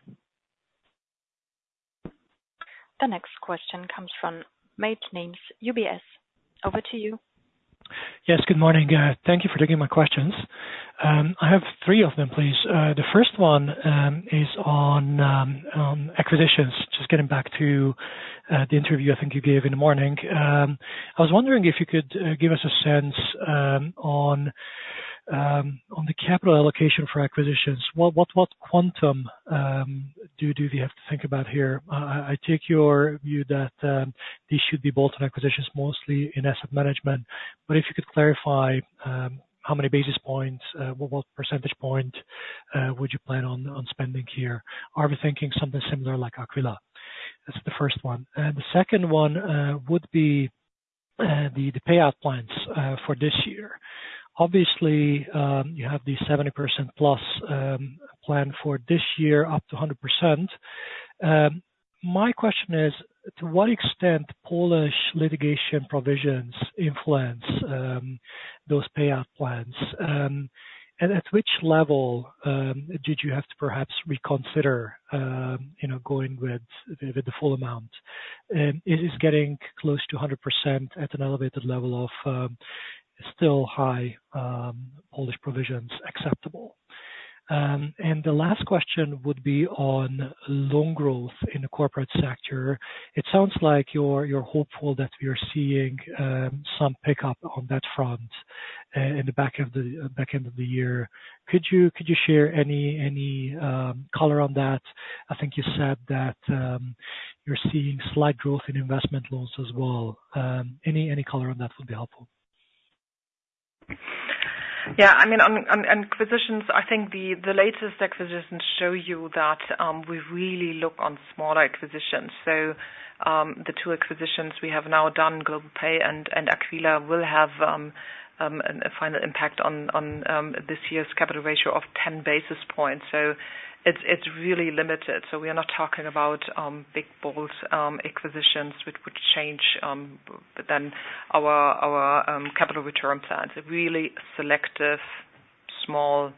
The next question comes from Mate Nemes, UBS. Over to you. Yes. Good morning. Thank you for taking my questions. I have three of them, please. The first one is on acquisitions. Just getting back to the interview I think you gave in the morning. I was wondering if you could give us a sense on the capital allocation for acquisitions. What quantum do we have to think about here? I take your view that these should be bolt-on acquisitions mostly in asset management. But if you could clarify how many basis points, what percentage point would you plan on spending here? Are we thinking something similar like Aquila? That's the first one. And the second one would be the payout plans for this year. Obviously, you have the 70%+ plan for this year up to 100%. My question is, to what extent Polish litigation provisions influence those payout plans? And at which level did you have to perhaps reconsider going with the full amount? Is getting close to 100% at an elevated level of still high Polish provisions acceptable? And the last question would be on loan growth in the corporate sector. It sounds like you're hopeful that we are seeing some pickup on that front in the back end of the year. Could you share any color on that? I think you said that you're seeing slight growth in investment loans as well. Any color on that would be helpful. Yeah. I mean, on acquisitions, I think the latest acquisitions show you that we really look on smaller acquisitions. So the two acquisitions we have now done, GlobalPay and Aquila, will have a final impact on this year's capital ratio of 10 basis points. So it's really limited. So we are not talking about big bold acquisitions, which would change then our capital return plans. Really selective, small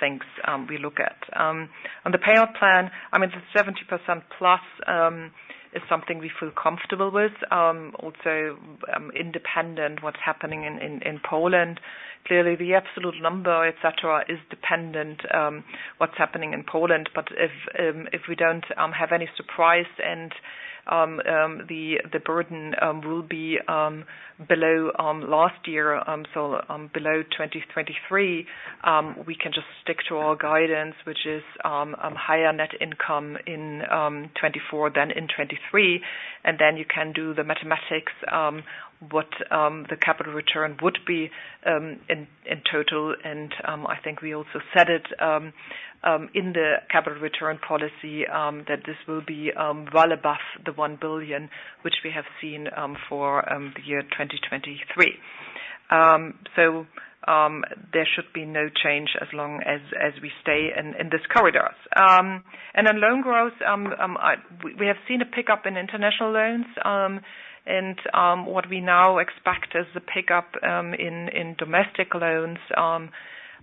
things we look at. On the payout plan, I mean, the 70%+ is something we feel comfortable with. Also, independent of what's happening in Poland. Clearly, the absolute number, etc., is dependent on what's happening in Poland. But if we don't have any surprise and the burden will be below last year, so below 2023, we can just stick to our guidance, which is higher net income in 2024 than in 2023. You can do the mathematics, what the capital return would be in total. I think we also said it in the capital return policy that this will be well above the 1 billion, which we have seen for the year 2023. So there should be no change as long as we stay in this corridor. On loan growth, we have seen a pickup in international loans. What we now expect is a pickup in domestic loans.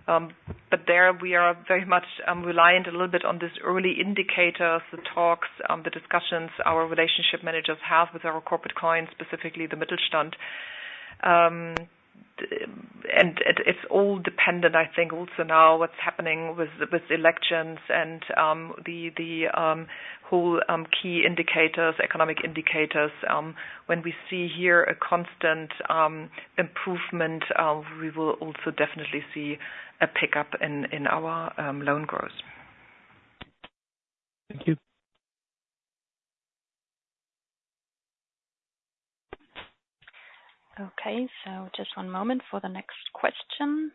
But there we are very much reliant a little bit on these early indicators, the talks, the discussions our relationship managers have with our corporate clients, specifically the Mittelstand. It's all dependent, I think, also now what's happening with elections and the whole key indicators, economic indicators. When we see here a constant improvement, we will also definitely see a pickup in our loan growth. Thank you. Okay. So just one moment for the next question.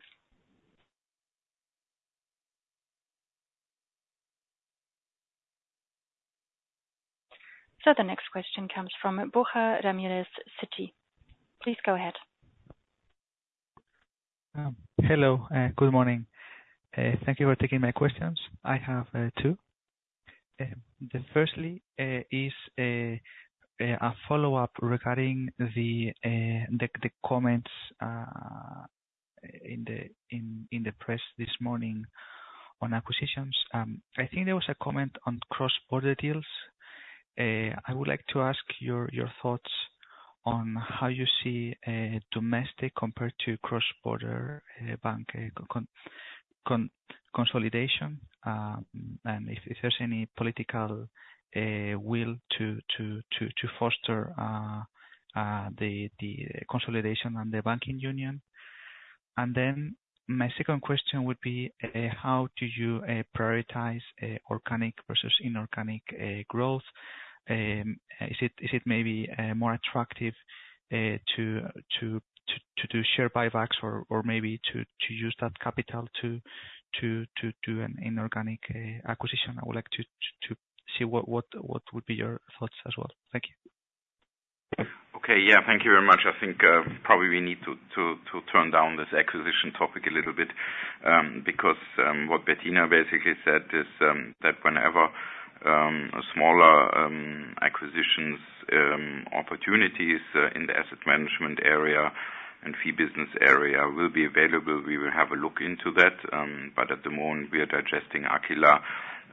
So the next question comes from Borja Ramirez, Citi. Please go ahead. Hello. Good morning. Thank you for taking my questions. I have two. The firstly is a follow-up regarding the comments in the press this morning on acquisitions. I think there was a comment on cross-border deals. I would like to ask your thoughts on how you see domestic compared to cross-border bank consolidation and if there's any political will to foster the consolidation and the banking union. And then my second question would be, how do you prioritize organic versus inorganic growth? Is it maybe more attractive to do share buybacks or maybe to use that capital to do an inorganic acquisition? I would like to see what would be your thoughts as well. Thank you. Okay. Yeah. Thank you very much. I think probably we need to turn down this acquisition topic a little bit because what Bettina basically said is that whenever smaller acquisitions opportunities in the asset management area and fee business area will be available, we will have a look into that. But at the moment, we are digesting Aquila,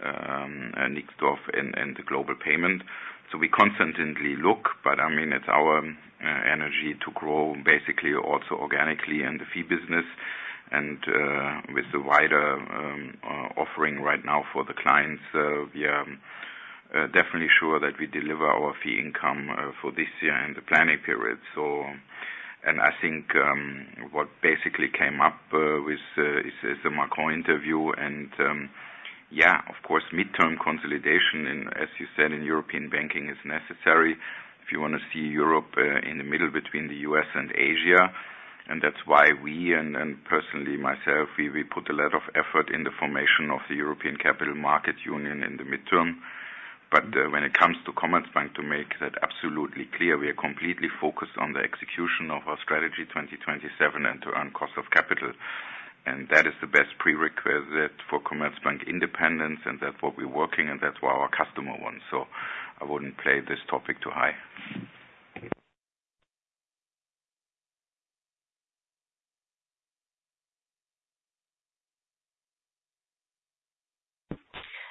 Nixdorf, and Global Payments. So we constantly look. But I mean, it's our energy to grow basically also organically in the fee business. And with the wider offering right now for the clients, we are definitely sure that we deliver our fee income for this year in the planning period. And I think what basically came up is the Macron interview. And yeah, of course, midterm consolidation, as you said, in European banking is necessary if you want to see Europe in the middle between the US and Asia. And that's why we and personally myself, we put a lot of effort in the formation of the European Capital Markets Union in the midterm. But when it comes to Commerzbank, to make that absolutely clear, we are completely focused on the execution of our strategy 2027 and to earn cost of capital. And that is the best prerequisite for Commerzbank independence and that's what we're working, and that's what our customer wants. So I wouldn't play this topic too high.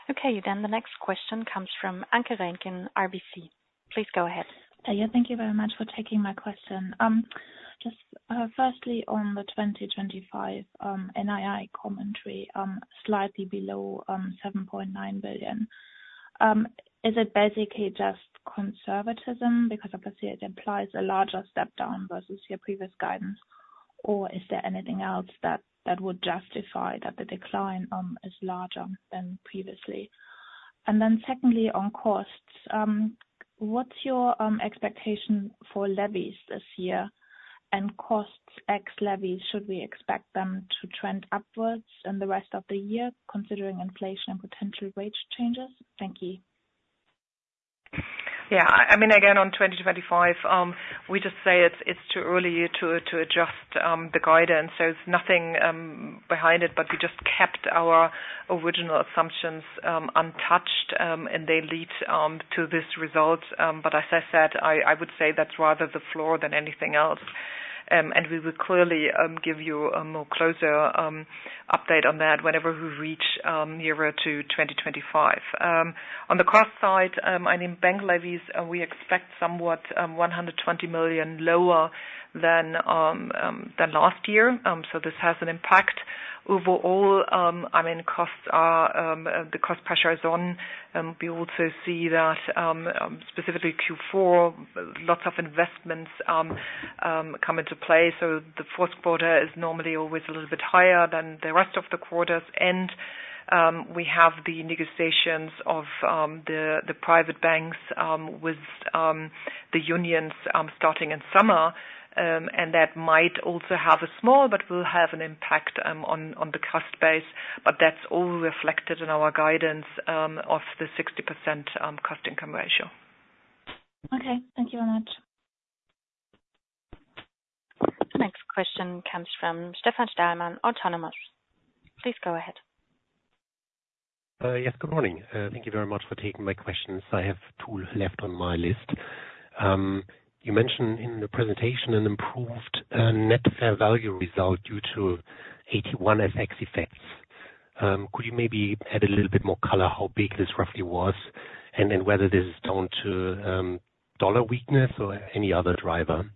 Okay. Then the next question comes from Anke Reingen, RBC. Please go ahead. Yeah. Thank you very much for taking my question. Just firstly, on the 2025 NII commentary, slightly below 7.9 billion, is it basically just conservatism because obviously, it implies a larger step down versus your previous guidance? Or is there anything else that would justify that the decline is larger than previously? And then secondly, on costs, what's your expectation for levies this year? And costs ex levies, should we expect them to trend upwards in the rest of the year considering inflation and potential wage changes? Thank you. Yeah. I mean, again, on 2025, we just say it's too early to adjust the guidance. So there's nothing behind it, but we just kept our original assumptions untouched, and they lead to this result. But as I said, I would say that's rather the floor than anything else. And we will clearly give you a more closer update on that whenever we reach nearer to 2025. On the cost side, I mean, bank levies, we expect somewhat 120 million lower than last year. So this has an impact. Overall, I mean, the cost pressure is on. We also see that specifically Q4, lots of investments come into play. So the fourth quarter is normally always a little bit higher than the rest of the quarters. And we have the negotiations of the private banks with the unions starting in summer. And that might also have a small but will have an impact on the cost base. But that's all reflected in our guidance of the 60% cost-income ratio. Okay. Thank you very much. The next question comes from Stefan Stalmann, Autonomous. Please go ahead. Yes. Good morning. Thank you very much for taking my questions. I have two left on my list. You mentioned in the presentation an improved net fair value result due to FX effects. Could you maybe add a little bit more color how big this roughly was and whether this is down to dollar weakness or any other driver?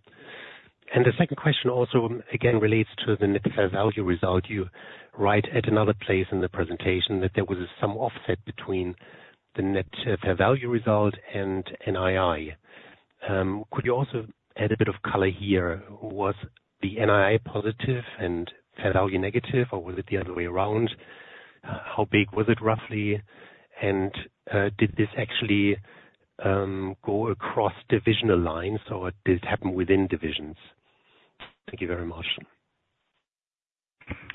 And the second question also, again, relates to the net fair value result. You write at another place in the presentation that there was some offset between the net fair value result and NII. Could you also add a bit of color here? Was the NII positive and fair value negative, or was it the other way around? How big was it roughly? And did this actually go across divisional lines, or did it happen within divisions? Thank you very much.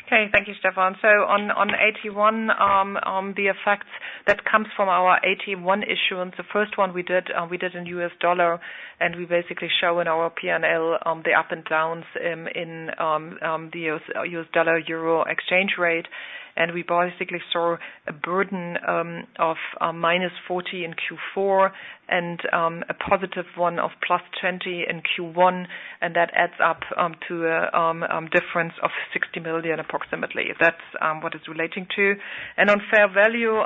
Okay. Thank you, Stefan. So on 81, the effect that comes from our AT1 issuance, the first one we did, we did in U.S. dollar. And we basically show in our P&L the up and downs in the U.S. dollar/euro exchange rate. And we basically saw a burden of -40 million in Q4 and a positive one of +20 million in Q1. And that adds up to a difference of 60 million approximately. That's what it's relating to. On fair value,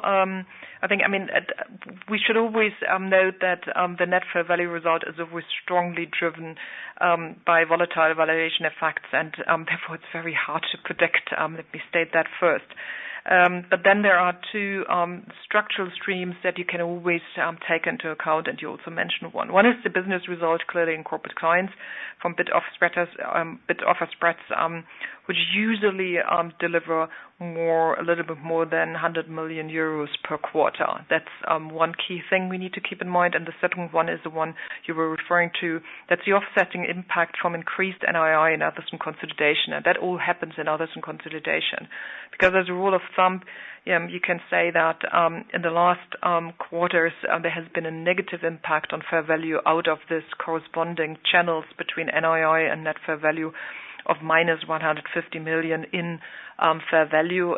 I mean, we should always note that the net fair value result is always strongly driven by volatile valuation effects. Therefore, it's very hard to predict. Let me state that first. But then there are two structural streams that you can always take into account. And you also mentioned one. One is the business result, clearly in Corporate Clients from bid-offer spreads, which usually deliver a little bit more than 100 million euros per quarter. That's one key thing we need to keep in mind. And the second one is the one you were referring to. That's the offsetting impact from increased NII and others in consolidation. That all happens in others in consolidation because, as a rule of thumb, you can say that in the last quarters, there has been a negative impact on fair value out of these corresponding channels between NII and net fair value of -150 million in fair value.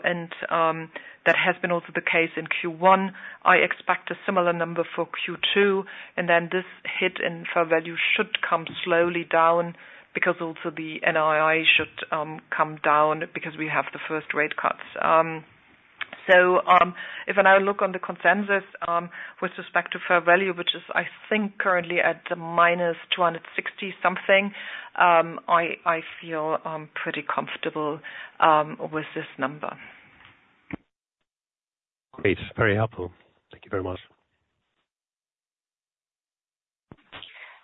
That has been also the case in Q1. I expect a similar number for Q2. Then this hit in fair value should come slowly down because also the NII should come down because we have the first rate cuts. So if I now look on the consensus with respect to fair value, which is, I think, currently at -260-something, I feel pretty comfortable with this number. Great. Very helpful. Thank you very much.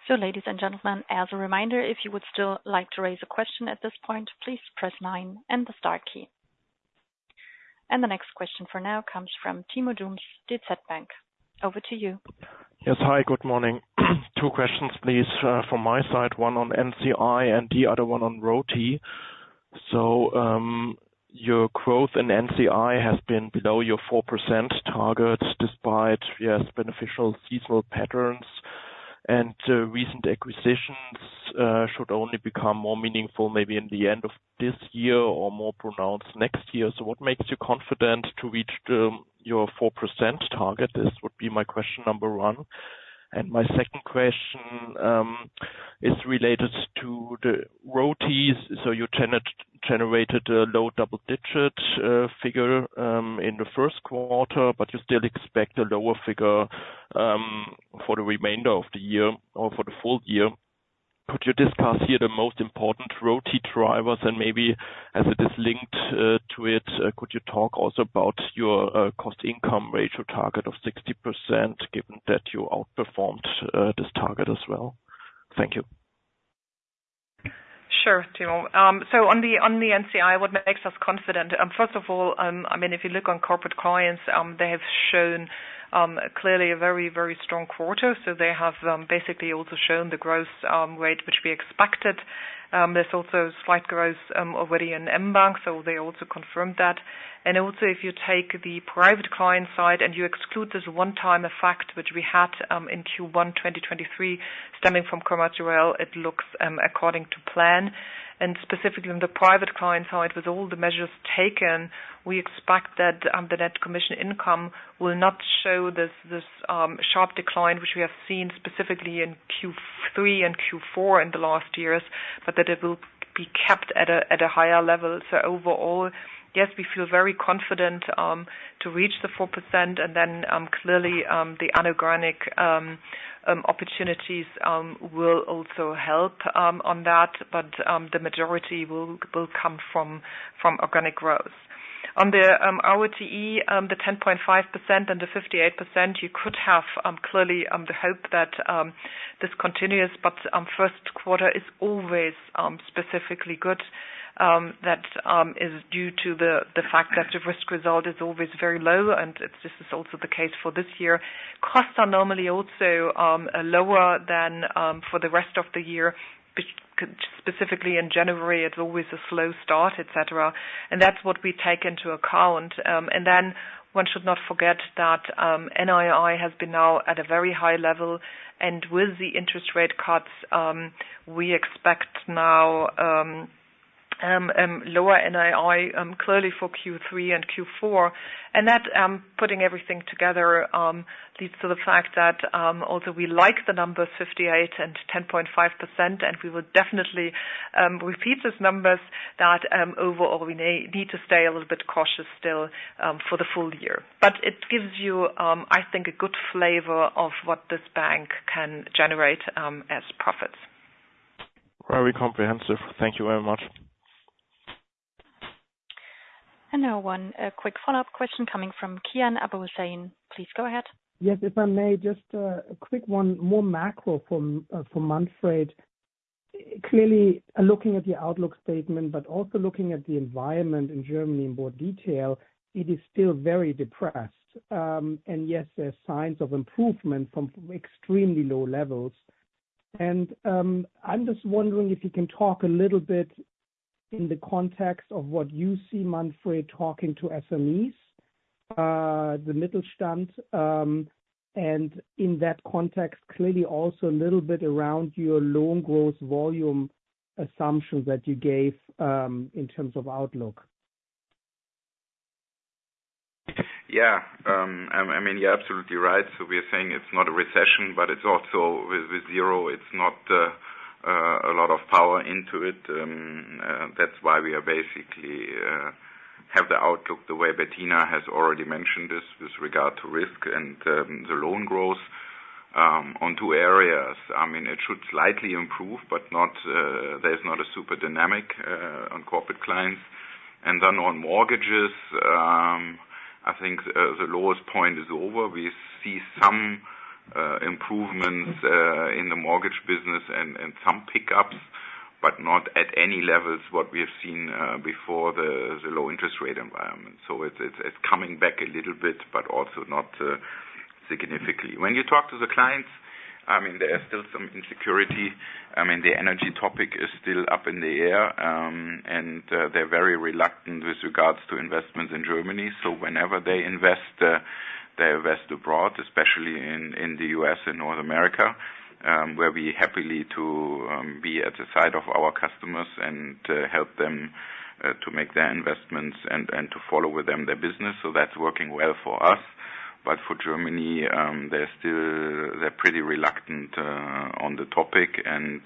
So ladies and gentlemen, as a reminder, if you would still like to raise a question at this point, please press 9 and the star key. And the next question for now comes from Timo Dums, DZ BANK. Over to you. Yes. Hi. Good morning. Two questions, please, from my side. One on NCI and the other one on ROTE. So your growth in NCI has been below your 4% target despite, yes, beneficial seasonal patterns. And recent acquisitions should only become more meaningful maybe in the end of this year or more pronounced next year. So what makes you confident to reach your 4% target? This would be my question number one. And my second question is related to the ROTE. So you generated a low double-digit figure in the first quarter, but you still expect a lower figure for the remainder of the year or for the full year. Could you discuss here the most important ROTE drivers? And maybe as it is linked to it, could you talk also about your cost-income ratio target of 60% given that you outperformed this target as well? Thank you. Sure, Timo. So on the NCI, what makes us confident? First of all, I mean, if you look on Corporate Clients, they have shown clearly a very, very strong quarter. So they have basically also shown the growth rate which we expected. There's also slight growth already in mBank. So they also confirmed that. Also, if you take the private client side and you exclude this one-time effect which we had in Q1 2023 stemming from Commerz Real, it looks according to plan. Specifically, on the private client side, with all the measures taken, we expect that the net commission income will not show this sharp decline which we have seen specifically in Q3 and Q4 in the last years, but that it will be kept at a higher level. Overall, yes, we feel very confident to reach the 4%. And then clearly, the inorganic opportunities will also help on that. But the majority will come from organic growth. On the ROTE, the 10.5% and the 58%, you could have clearly the hope that this continues. But first quarter is always specifically good. That is due to the fact that the risk result is always very low. This is also the case for this year. Costs are normally also lower than for the rest of the year. Specifically in January, it's always a slow start, etc. That's what we take into account. Then one should not forget that NII has been now at a very high level. And with the interest rate cuts, we expect now lower NII, clearly for Q3 and Q4. And that, putting everything together, leads to the fact that although we like the numbers 58% and 10.5%, and we will definitely repeat these numbers, that overall, we need to stay a little bit cautious still for the full year. But it gives you, I think, a good flavor of what this bank can generate as profits. Very comprehensive. Thank you very much. Now one quick follow-up question coming from Kian Abouhossein. Please go ahead. Yes. If I may, just a quick one, more macro from Manfred. Clearly, looking at the outlook statement but also looking at the environment in Germany in more detail, it is still very depressed. And yes, there are signs of improvement from extremely low levels. And I'm just wondering if you can talk a little bit in the context of what you see, Manfred, talking to SMEs, the Mittelstand. And in that context, clearly also a little bit around your loan growth volume assumption that you gave in terms of outlook. Yeah. I mean, you're absolutely right. So we are saying it's not a recession, but also with zero, it's not a lot of power into it. That's why we basically have the outlook the way Bettina has already mentioned this with regard to risk and the loan growth on two areas. I mean, it should slightly improve, but there's not a super dynamic on corporate clients. And then on mortgages, I think the lowest point is over. We see some improvements in the mortgage business and some pickups, but not at any levels what we have seen before the low interest rate environment. So it's coming back a little bit but also not significantly. When you talk to the clients, I mean, there is still some insecurity. I mean, the energy topic is still up in the air. And they're very reluctant with regards to investments in Germany. So whenever they invest, they invest abroad, especially in the U.S. and North America, where we're happy to be at the side of our customers and help them to make their investments and to follow with them their business. So that's working well for us. But for Germany, they're pretty reluctant on the topic. And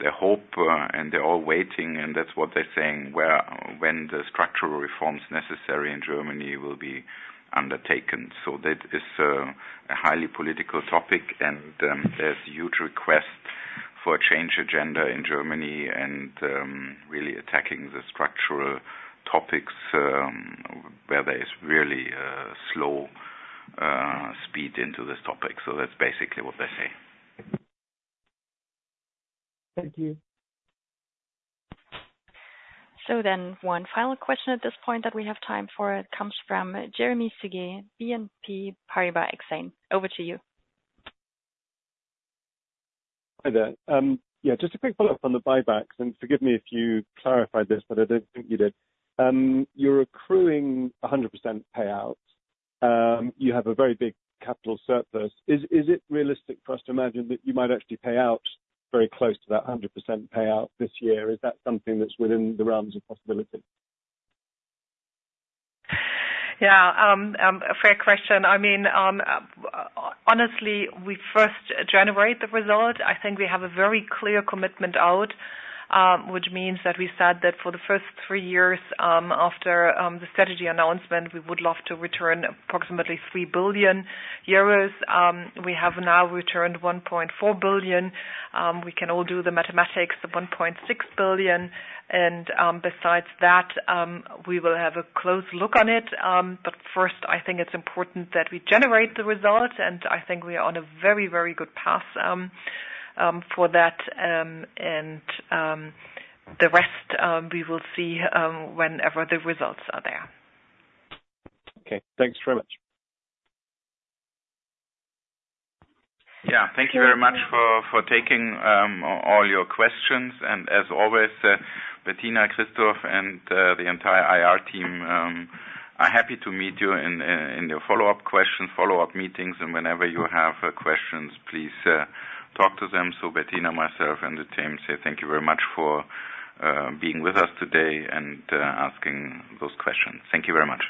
they hope, and they're all waiting. And that's what they're saying, when the structural reforms necessary in Germany will be undertaken. So that is a highly political topic. And there's huge request for a change agenda in Germany and really attacking the structural topics where there is really slow speed into this topic. So that's basically what they say. Thank you. So then one final question at this point that we have time for comes from Jeremy Sigee, BNP Paribas Exane. Over to you. Hi there. Yeah. Just a quick follow-up on the buybacks. And forgive me if you clarified this, but I don't think you did. You're accruing 100% payout. You have a very big capital surplus. Is it realistic for us to imagine that you might actually pay out very close to that 100% payout this year? Is that something that's within the realms of possibility? Yeah. Fair question. I mean, honestly, we first generate the result. I think we have a very clear commitment out, which means that we said that for the first three years after the strategy announcement, we would love to return approximately 3 billion euros. We have now returned 1.4 billion. We can all do the mathematics, the 1.6 billion. And besides that, we will have a close look on it. But first, I think it's important that we generate the result. And I think we are on a very, very good path for that. And the rest, we will see whenever the results are there. Okay. Thanks very much. Yeah. Thank you very much for taking all your questions. And as always, Bettina, Christoph, and the entire IR team, are happy to meet you in your follow-up questions, follow-up meetings. Whenever you have questions, please talk to them. Bettina, myself, and the team say thank you very much for being with us today and asking those questions. Thank you very much.